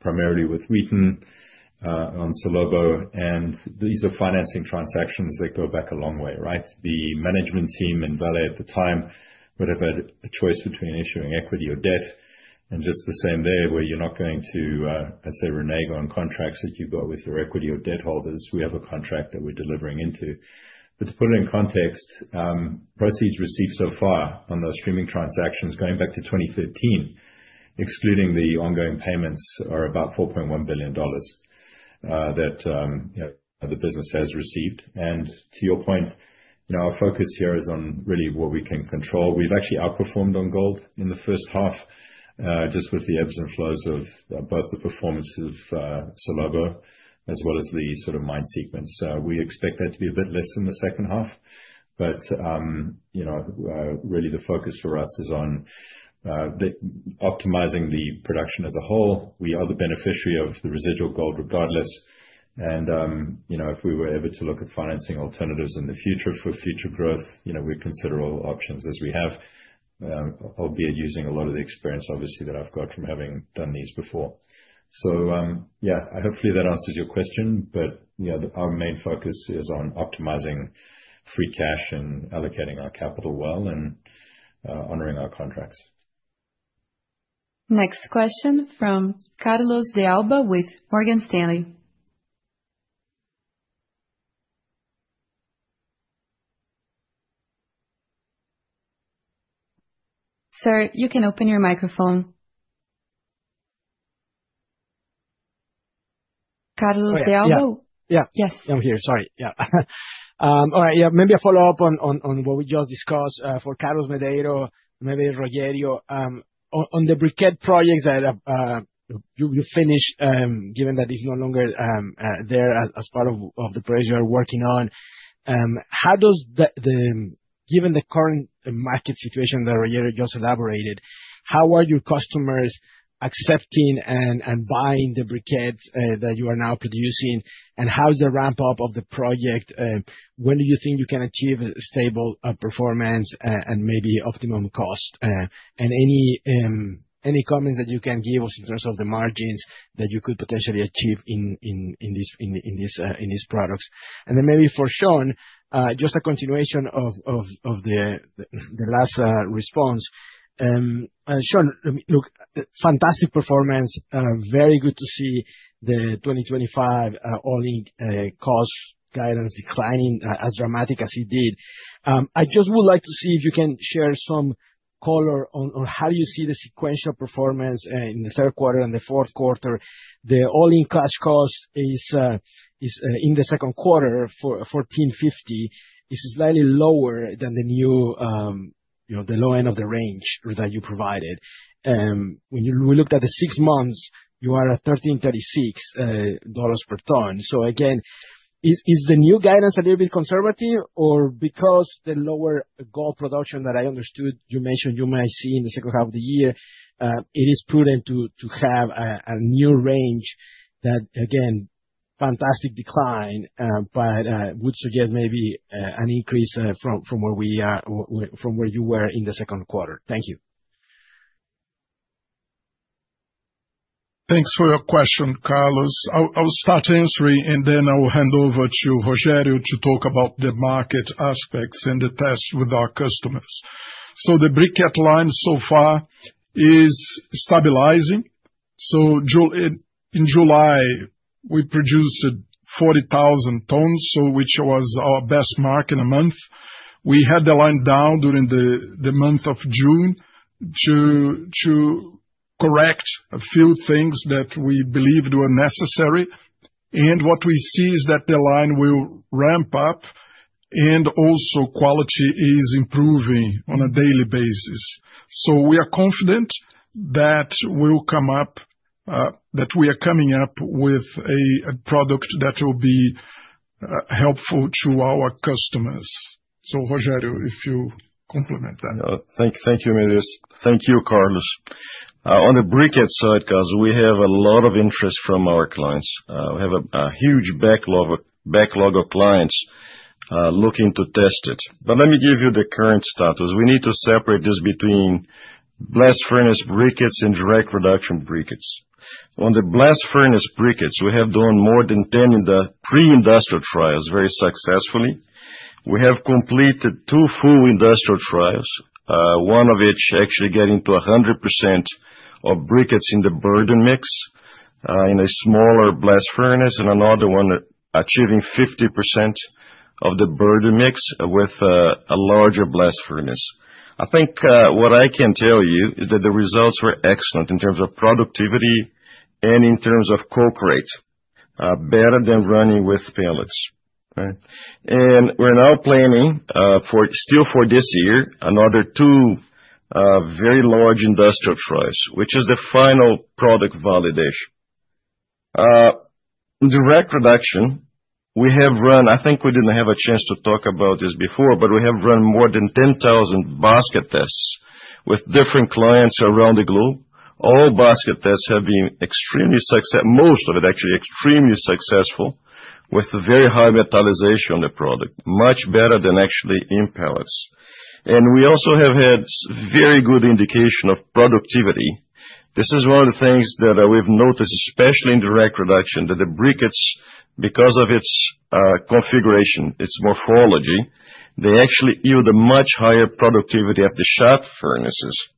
primarily with Wheaton on Salobo, and these are financing transactions that go back a long way, right? The management team in Vale at the time would have had a choice between issuing equity or debt, just the same there, where you're not going to, let's say, renege on contracts that you've got with your equity or debt holders. We have a contract that we're delivering into. To put it in context, proceeds received so far on those streaming transactions, going back to 2013, excluding the ongoing payments, are about $4.1 billion that the business has received. To your point, our focus here is on really what we can control. We've actually outperformed on gold in the first half, just with the ebbs and flows of both the performance of Salobo as well as the sort of mine sequence. We expect that to be a bit less in the second half. The focus for us is on optimizing the production as a whole. We are the beneficiary of the residual gold regardless. If we were able to look at financing alternatives in the future for future growth, we'd consider all options as we have, albeit using a lot of the experience, obviously, that I've got from having done these before. Hopefully that answers your question, but our main focus is on optimizing free cash and allocating our capital well and honoring our contracts. Next question from Carlos De Alba with Morgan Stanley. Sir, you can open your microphone. Carlos De Alba? Yeah. Yeah. Yes. I'm here. Sorry. All right. Maybe a follow-up on what we just discussed for Carlos De Alba, maybe Rogério. On the briquette projects that you finished, given that it's no longer there as part of the project you are working on, how does the, given the current market situation that Rogério just elaborated, how are your customers accepting and buying the briquettes that you are now producing? How is the ramp-up of the project? When do you think you can achieve a stable performance and maybe optimum cost? Any comments that you can give us in terms of the margins that you could potentially achieve in these products? Maybe for Shaun, just a continuation of the last response. Shaun, look, fantastic performance. Very good to see the 2025 all-in cost guidance declining as dramatic as it did. I just would like to see if you can share some color on how you see the sequential performance in the third quarter and the fourth quarter. The all-in cash cost is in the second quarter for $14.50. It's slightly lower than the low end of the range that you provided. When we looked at the six months, you are at $13.36 per ton. Is the new guidance a little bit conservative? Or because the lower gold production that I understood you mentioned you might see in the second half of the year, it is prudent to have a new range that, again, fantastic decline, but would suggest maybe an increase from where you were in the second quarter. Thank you. Thanks for your question, Carlos. I will start answering, and then I will hand over to Rogério to talk about the market aspects and the tests with our customers. The briquette line so far is stabilizing. In July, we produced 40,000 tons, which was our best mark in a month. We had the line down during the month of June to correct a few things that we believed were necessary. What we see is that the line will ramp up, and also quality is improving on a daily basis. We are confident that we're coming up with a product that will be helpful to our customers. Rogério, if you complement that. Thank you, Madeiros. Thank you, Carlos. On the briquette side, we have a lot of interest from our clients. We have a huge backlog of clients looking to test it. Let me give you the current status. We need to separate this between blast furnace briquettes and direct production briquettes. On the blast furnace briquettes, we have done more than 10 in the pre-industrial trials very successfully. We have completed two full industrial trials, one of which actually getting to 100% of briquettes in the burden mix in a smaller blast furnace, and another one achieving 50% of the burden mix with a larger blast furnace. What I can tell you is that the results were excellent in terms of productivity and in terms of coke rate, better than running with pellets. We are now planning for, still for this year, another two very large industrial trials, which is the final product validation. Direct production, we have run, I think we didn't have a chance to talk about this before, but we have run more than 10,000 basket tests with different clients around the globe. All basket tests have been extremely successful, most of it actually extremely successful, with very high metalization on the product, much better than actually in pellets. We also have had very good indication of productivity. This is one of the things that we've noticed, especially in direct production, that the briquettes, because of its configuration, its morphology, actually yield a much higher productivity of the shaft furnaces.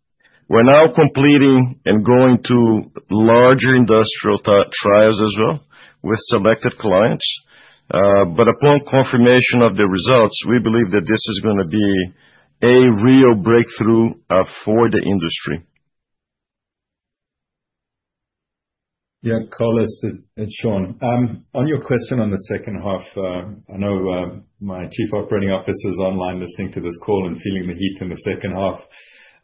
We are now completing and going to larger industrial trials as well with selected clients. Upon confirmation of the results, we believe that this is going to be a real breakthrough for the industry. Yeah, Carlos and Shaun. On your question on the second half, I know my Chief Operating Officer is online listening to this call and feeling the heat in the second half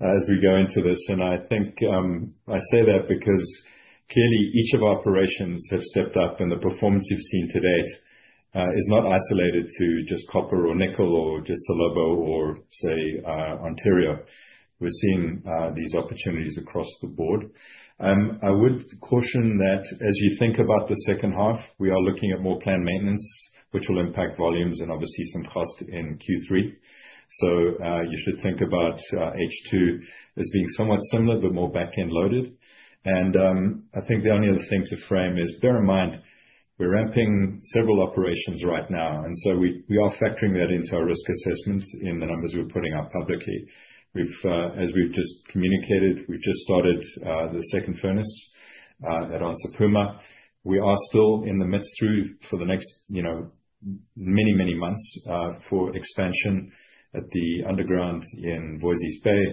as we go into this. I say that because clearly each of our operations have stepped up, and the performance you've seen to date is not isolated to just copper or nickel or just Salobo or, say, Ontario. We're seeing these opportunities across the board. I would caution that as you think about the second half, we are looking at more planned maintenance, which will impact volumes and obviously some cost in Q3. You should think about H2 as being somewhat similar, but more backend loaded. The only other thing to frame is, bear in mind, we're ramping several operations right now. We are factoring that into our risk assessments in the numbers we're putting out publicly. As we've just communicated, we've just started the second furnace at Serra Sul. We are still in the midst, through for the next many, many months, of expansion at the underground in Voisey’s Bay.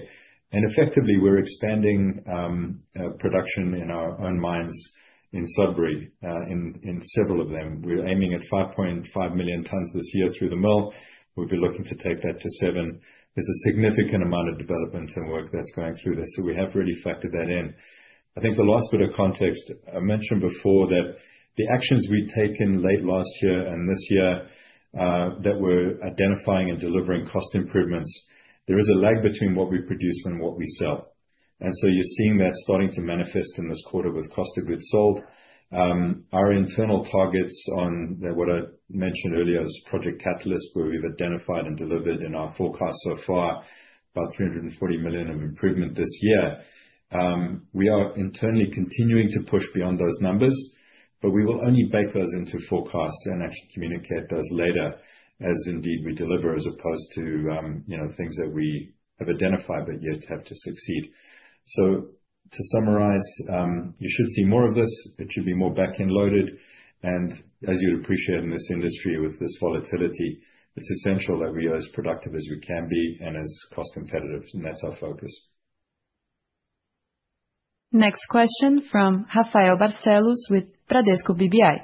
Effectively, we're expanding production in our own mines in Sudbury, in several of them. We're aiming at 5.5 million tons this year through the mill. We'll be looking to take that to seven. There's a significant amount of development and work that's going through there. We have really factored that in. The last bit of context, I mentioned before that the actions we've taken late last year and this year that we're identifying and delivering cost improvements, there is a lag between what we produce and what we sell. You're seeing that starting to manifest in this quarter with cost of goods sold. Our internal targets on what I mentioned earlier as Project Catalyst, where we've identified and delivered in our forecast so far about $340 million of improvement this year. We are internally continuing to push beyond those numbers, but we will only bake those into forecasts and actually communicate those later as indeed we deliver, as opposed to things that we have identified but yet have to succeed. To summarize, you should see more of this. It should be more backend loaded. As you'd appreciate in this industry with this volatility, it's essential that we are as productive as we can be and as cost competitive. That's our focus. Next question from Rafael Barcelos with Bradesco BBI.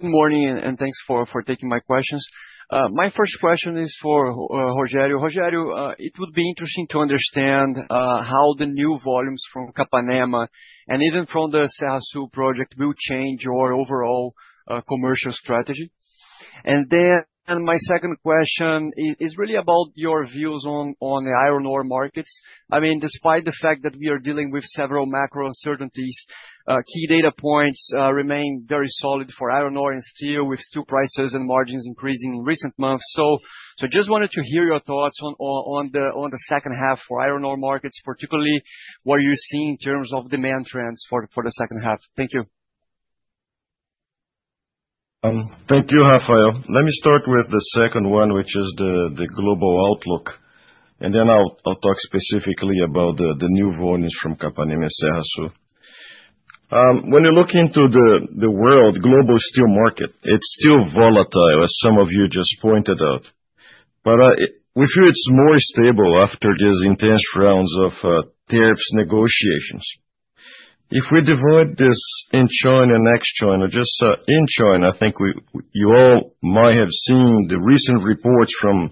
Good morning, and thanks for taking my questions. My first question is for Rogério. Rogério, it would be interesting to understand how the new volumes from Capanema and even from the Serra Sul project will change your overall commercial strategy. My second question is really about your views on the iron ore markets. I mean, despite the fact that we are dealing with several macro uncertainties, key data points remain very solid for iron ore and steel with steel prices and margins increasing in recent months. I just wanted to hear your thoughts on the second half for iron ore markets, particularly what you're seeing in terms of demand trends for the second half. Thank you. Thank you, Rafael. Let me start with the second one, which is the global outlook. Then I'll talk specifically about the new volumes from Capanema and Serra Sul. When you look into the world global steel market, it's still volatile, as some of you just pointed out. We feel it's more stable after these intense rounds of tariffs negotiations. If we divide this in China and ex-China, just in China, I think you all might have seen the recent reports from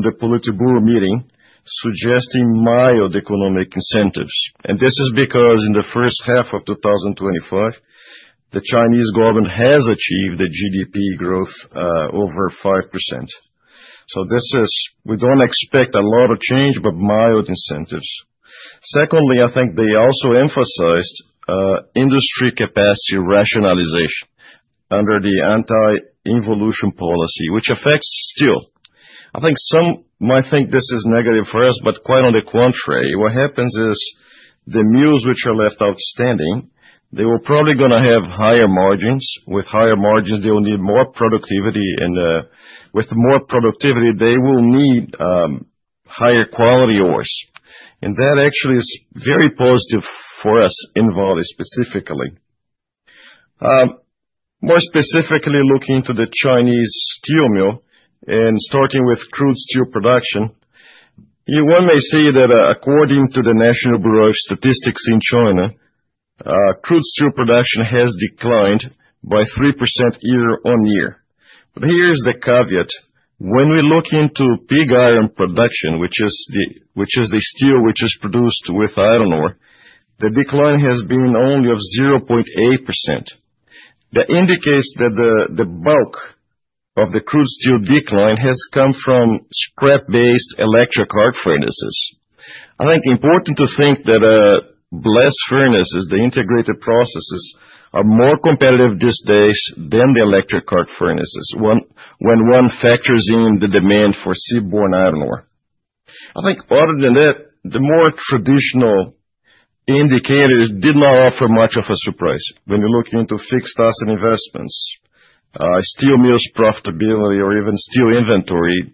the Politburo meeting suggesting mild economic incentives. This is because in the first half of 2025, the Chinese government has achieved GDP growth over 5%. We don't expect a lot of change, but mild incentives. Secondly, I think they also emphasized industry capacity rationalization under the anti-involution policy, which affects steel. Some might think this is negative for us, but quite on the contrary, what happens is the mills which are left outstanding are probably going to have higher margins. With higher margins, they will need more productivity, and with more productivity, they will need higher quality ores. That actually is very positive for us in Vale specifically. More specifically, looking into the Chinese steel mill and starting with crude steel production, one may say that according to the National Bureau of Statistics in China, crude steel production has declined by 3% year-on-year. Here's the caveat. When we look into pig iron production, which is the steel produced with iron ore, the decline has been only 0.8%. That indicates that the bulk of the crude steel decline has come from scrap-based electric arc furnaces. I think it's important to think that blast furnaces, the integrated processes, are more competitive these days than the electric arc furnaces when one factors in the demand for seaborne iron ore. Other than that, the more traditional indicators did not offer much of a surprise. When you're looking into fixed asset investments, steel mills' profitability, or even steel inventory,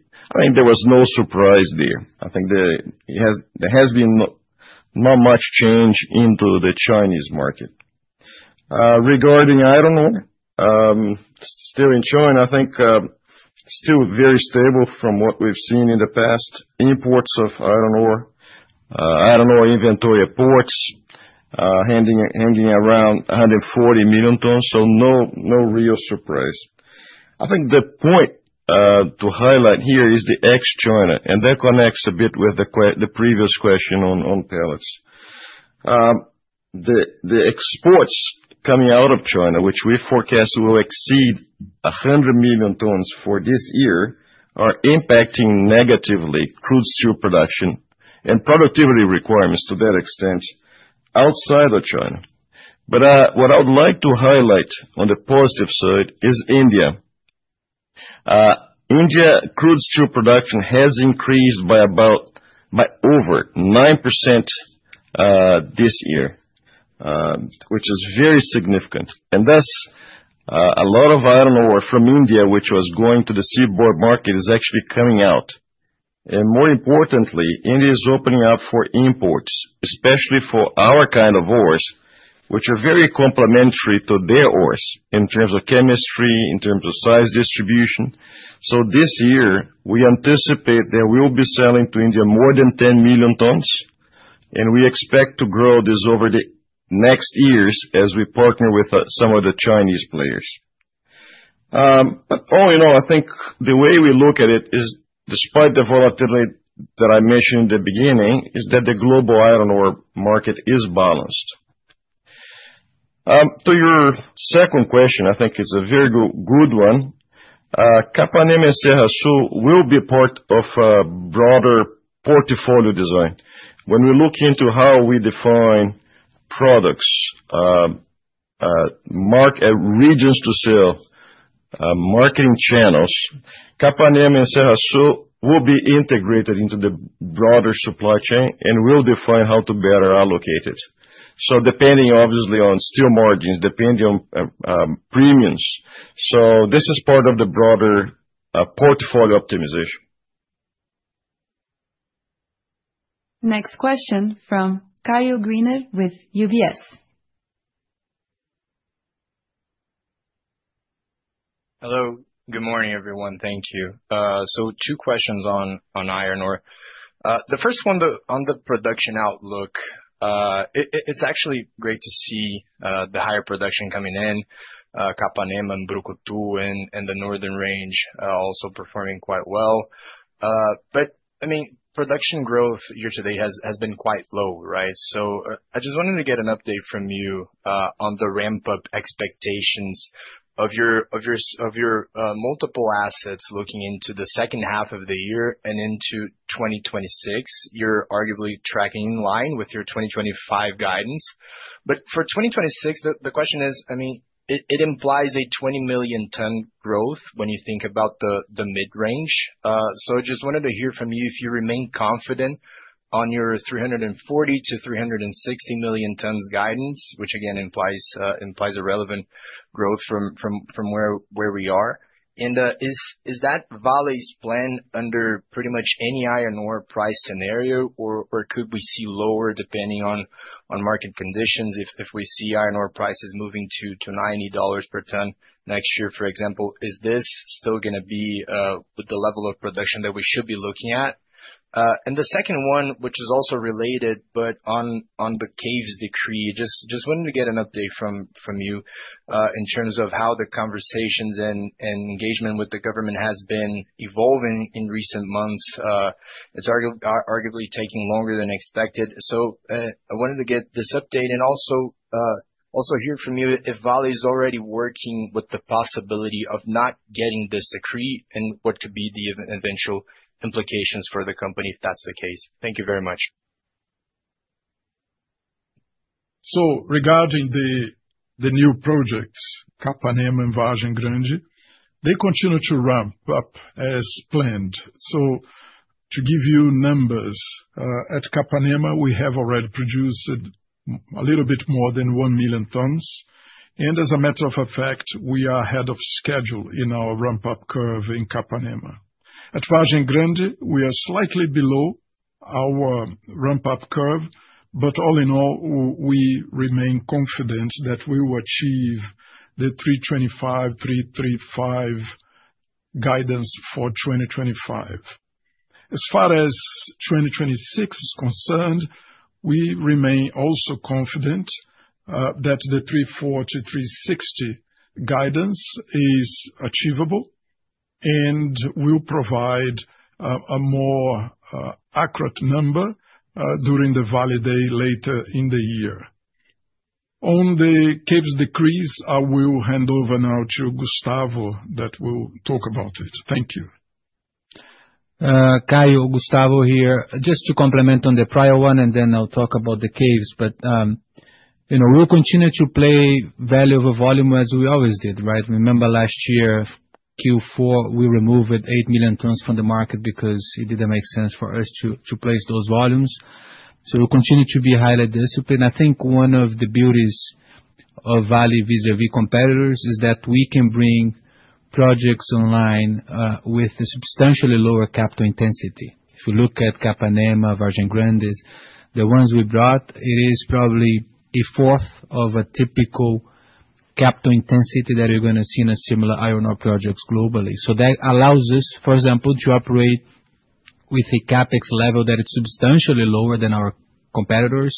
there was no surprise there. There has been not much change in the Chinese market. Regarding iron ore, still in China, it's still very stable from what we've seen in the past. Imports of iron ore, iron ore inventory at ports are hanging around 140 million tons, so no real surprise. The point to highlight here is the ex-China, and that connects a bit with the previous question on pellets. The exports coming out of China, which we forecast will exceed 100 million tons for this year, are impacting negatively crude steel production and productivity requirements to that extent outside of China. What I would like to highlight on the positive side is India. India crude steel production has increased by about over 9% this year, which is very significant. Thus, a lot of iron ore from India, which was going to the seaborne market, is actually coming out. More importantly, India is opening up for imports, especially for our kind of ores, which are very complementary to their ores in terms of chemistry, in terms of size distribution. This year, we anticipate that we'll be selling to India more than 10 million tons, and we expect to grow this over the next years as we partner with some of the Chinese players. All in all, I think the way we look at it is, despite the volatility that I mentioned in the beginning, the global iron ore market is balanced. To your second question, I think it's a very good one. Capanema and Serra Sul will be part of a broader portfolio design. When we look into how we define products, market regions to sell, marketing channels, Capanema and Serra Sul will be integrated into the broader supply chain and will define how to better allocate it. Depending, obviously, on steel margins, depending on premiums, this is part of the broader portfolio optimization. Next question from Caio Greiner with UBS. Hello. Good morning, everyone. Thank you. Two questions on iron ore. The first one on the production outlook. It's actually great to see the higher production coming in. Capanema and Brucutu and the Northern Range are also performing quite well. Production growth year to date has been quite low, right? I just wanted to get an update from you on the ramp-up expectations of your multiple assets looking into the second half of the year and into 2026. You're arguably tracking in line with your 2025 guidance. For 2026, the question is, it implies a 20 million ton growth when you think about the mid-range. I just wanted to hear from you if you remain confident on your 340-360 million tons guidance, which again implies a relevant growth from where we are. Is that Vale's plan under pretty much any iron ore price scenario, or could we see lower depending on market conditions? If we see iron ore prices moving to $90 per ton next year, for example, is this still going to be with the level of production that we should be looking at? The second one, which is also related, but on Macabea's decree, I just wanted to get an update from you in terms of how the conversations and engagement with the government have been evolving in recent months. It's arguably taking longer than expected. I wanted to get this update and also hear from you if Vale is already working with the possibility of not getting this decree and what could be the eventual implications for the company if that's the case. Thank you very much. Regarding the new projects, Capanema and Vargem Grande, they continue to ramp up as planned. To give you numbers, at Capanema, we have already produced a little bit more than 1 million tons. As a matter of fact, we are ahead of schedule in our ramp-up curve in Capanema. At Vargem Grande, we are slightly below our ramp-up curve, but all in all, we remain confident that we will achieve the 325-335 guidance for 2025. As far as 2026 is concerned, we remain also confident that the 340-360 guidance is achievable and will provide a more accurate number during the Vale Day later in the year. On the Caves decree, I will hand over now to Gustavo that will talk about it. Thank you. Caio, Gustavo here. Just to complement on the prior one, and then I'll talk about the caves. You know, we'll continue to play value over volume as we always did, right? Remember last year, Q4, we removed 8 million tons from the market because it didn't make sense for us to place those volumes. We'll continue to be high like this. I think one of the beauties of Vale vis-à-vis competitors is that we can bring projects online with a substantially lower capital intensity. If you look at Capanema Vargem Grande, the ones we brought, it is probably a fourth of a typical capital intensity that you're going to see in a similar iron ore project globally. That allows us, for example, to operate with a CapEx level that is substantially lower than our competitors,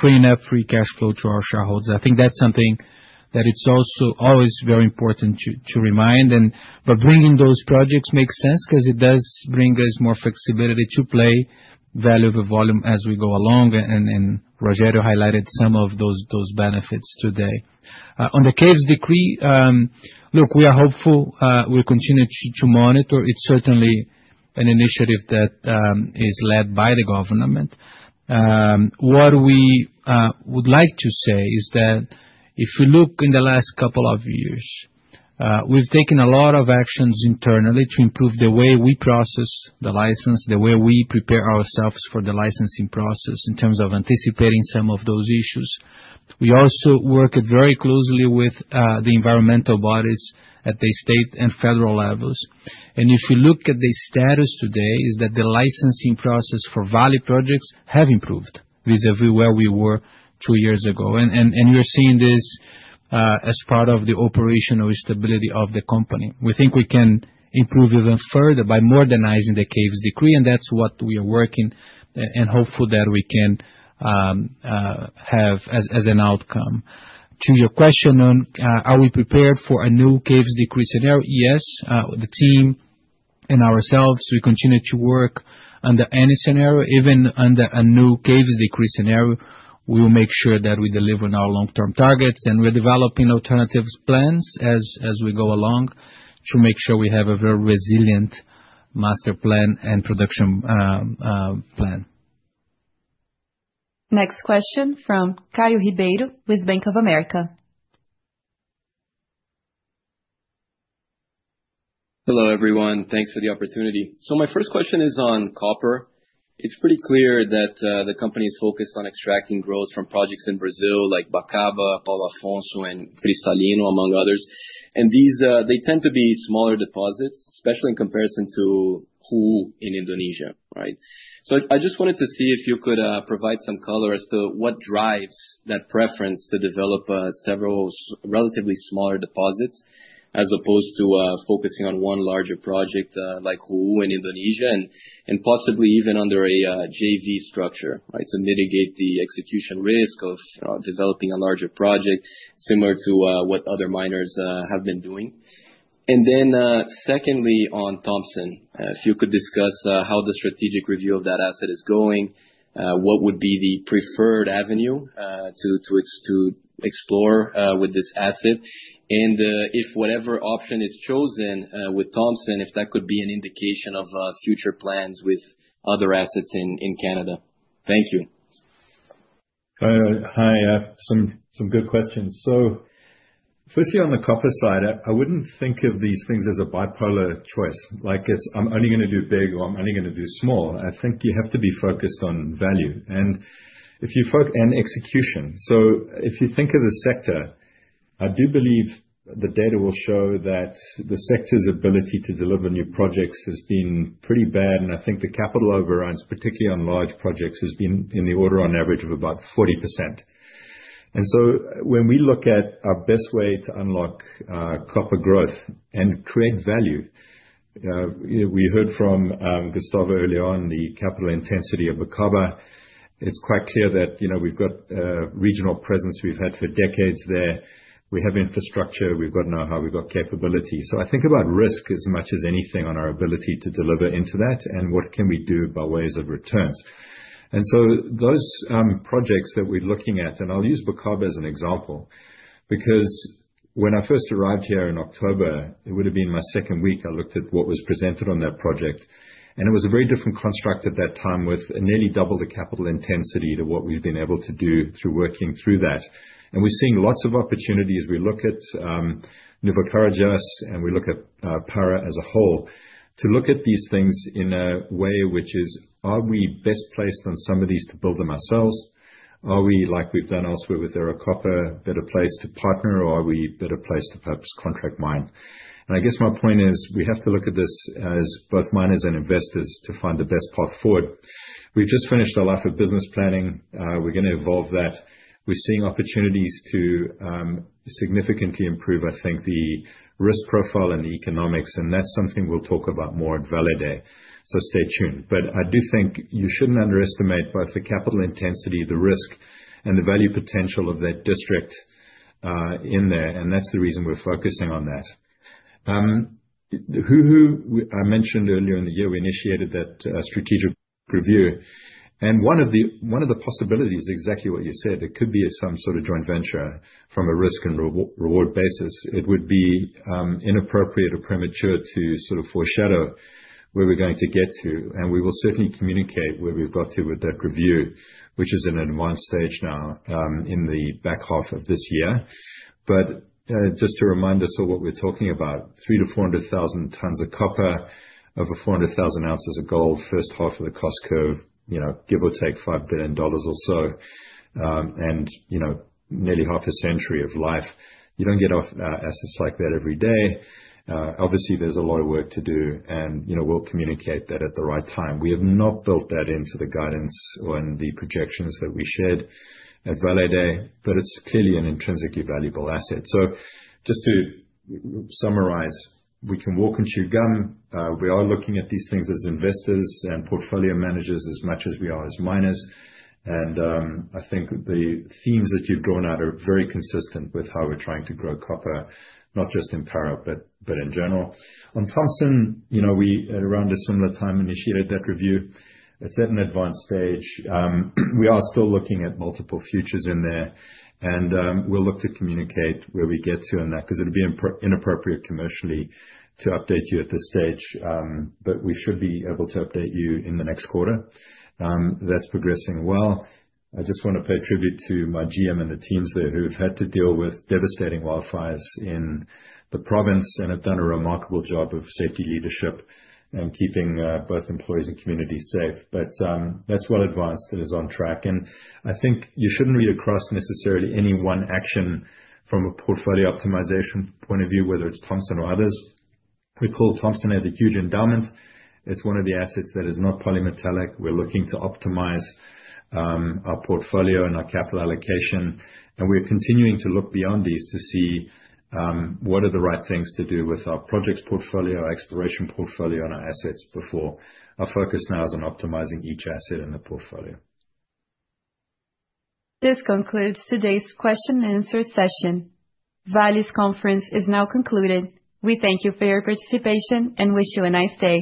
freeing up free cash flow to our shareholders. I think that's something that it's also always very important to remind. By bringing those projects, it makes sense because it does bring us more flexibility to play value over volume as we go along. Rogério highlighted some of those benefits today. On the Caves decree, we are hopeful. We'll continue to monitor. It's certainly an initiative that is led by the government. What we would like to say is that if we look in the last couple of years, we've taken a lot of actions internally to improve the way we process the license, the way we prepare ourselves for the licensing process in terms of anticipating some of those issues. We also work very closely with the environmental bodies at the state and federal levels. If you look at the status today, the licensing process for Vale projects has improved vis-à-vis where we were two years ago. We are seeing this as part of the operational stability of the company. We think we can improve even further by modernizing the Caves decree, and that's what we are working and hopeful that we can have as an outcome. To your question on are we prepared for a new Caves decree scenario? Yes. The team and ourselves, we continue to work under any scenario. Even under a new Caves decree scenario, we will make sure that we deliver on our long-term targets. We're developing alternative plans as we go along to make sure we have a very resilient master plan and production plan. Next question from Caio Ribeiro with Bank of America. Hello, everyone. Thanks for the opportunity. My first question is on copper. It's pretty clear that the company is focused on extracting growth from projects in Brazil like Bacaba, Paulo Afonso, and Cristalino, among others. These tend to be smaller deposits, especially in comparison to Hulu in Indonesia, right? I just wanted to see if you could provide some color as to what drives that preference to develop several relatively smaller deposits as opposed to focusing on one larger project like Hulu in Indonesia and possibly even under a JV structure, right, to mitigate the execution risk of developing a larger project similar to what other miners have been doing. Secondly, on Thompson, if you could discuss how the strategic review of that asset is going, what would be the preferred avenue to explore with this asset? If whatever option is chosen with Thompson, if that could be an indication of future plans with other assets in Canada. Thank you. Hi. I have some good questions. Firstly, on the copper side, I wouldn't think of these things as a bipolar choice, like it's I'm only going to do big or I'm only going to do small. I think you have to be focused on value and execution. If you think of the sector, I do believe the data will show that the sector's ability to deliver new projects has been pretty bad. I think the capital overruns, particularly on large projects, have been in the order on average of about 40%. When we look at our best way to unlock copper growth and create value, we heard from Gustavo early on the capital intensity of Bacaba. It's quite clear that we've got a regional presence we've had for decades there. We have infrastructure. We've got know-how. We've got capability. I think about risk as much as anything on our ability to deliver into that and what we can do by ways of returns. Those projects that we're looking at, and I'll use Bacaba as an example because when I first arrived here in October, it would have been my second week. I looked at what was presented on that project. It was a very different construct at that time with nearly double the capital intensity to what we've been able to do through working through that. We're seeing lots of opportunities. We look at Novo Carajás, and we look at Pará as a whole to look at these things in a way which is, are we best placed on some of these to build them ourselves? Are we, like we've done elsewhere with Maricopa, a better place to partner, or are we a better place to perhaps contract mine? I guess my point is, we have to look at this as both miners and investors to find the best path forward. We've just finished our life of business planning. We're going to evolve that. We're seeing opportunities to significantly improve, I think, the risk profile and the economics, and that's something we'll talk about more at Vale, so stay tuned. I do think you shouldn't underestimate both the capital intensity, the risk, and the value potential of that district in there, and that's the reason we're focusing on that. I mentioned earlier in the year we initiated that strategic review. One of the possibilities is exactly what you said. It could be some sort of joint venture from a risk and reward basis. It would be inappropriate or premature to sort of foreshadow where we're going to get to. We will certainly communicate where we've got to with that review, which is in an advanced stage now, in the back half of this year. Just to remind us all what we're talking about, 300,000-400,000 tons of copper, over 400,000 ounces of gold, first half of the cost curve, give or take $5 billion or so, and nearly half a century of life. You don't get assets like that every day. Obviously, there's a lot of work to do, and we'll communicate that at the right time. We have not built that into the guidance or in the projections that we shared at Vale, but it's clearly an intrinsically valuable asset. Just to summarize, we can walk and chew gum. We are looking at these things as investors and portfolio managers as much as we are as miners. I think the themes that you've drawn out are very consistent with how we're trying to grow copper, not just in Pará, but in general. On Thompson, at around a similar time we initiated that review. It's at an advanced stage. We are still looking at multiple futures in there, and we'll look to communicate where we get to on that because it'd be inappropriate commercially to update you at this stage. We should be able to update you in the next quarter. That's progressing well. I just want to pay tribute to my GM and the teams there who have had to deal with devastating wildfires in the province and have done a remarkable job of safety leadership and keeping both employees and community safe. That's one advance that is on track. I think you shouldn't read across necessarily any one action from a portfolio optimization point of view, whether it's Thompson or others. We call Thompson a huge endowment. It's one of the assets that is not polymetallic. We're looking to optimize our portfolio and our capital allocation. We're continuing to look beyond these to see what are the right things to do with our projects portfolio, our exploration portfolio, and our assets. Our focus now is on optimizing each asset in the portfolio. This concludes today's question and answer session. Vale's conference is now concluded. We thank you for your participation and wish you a nice day.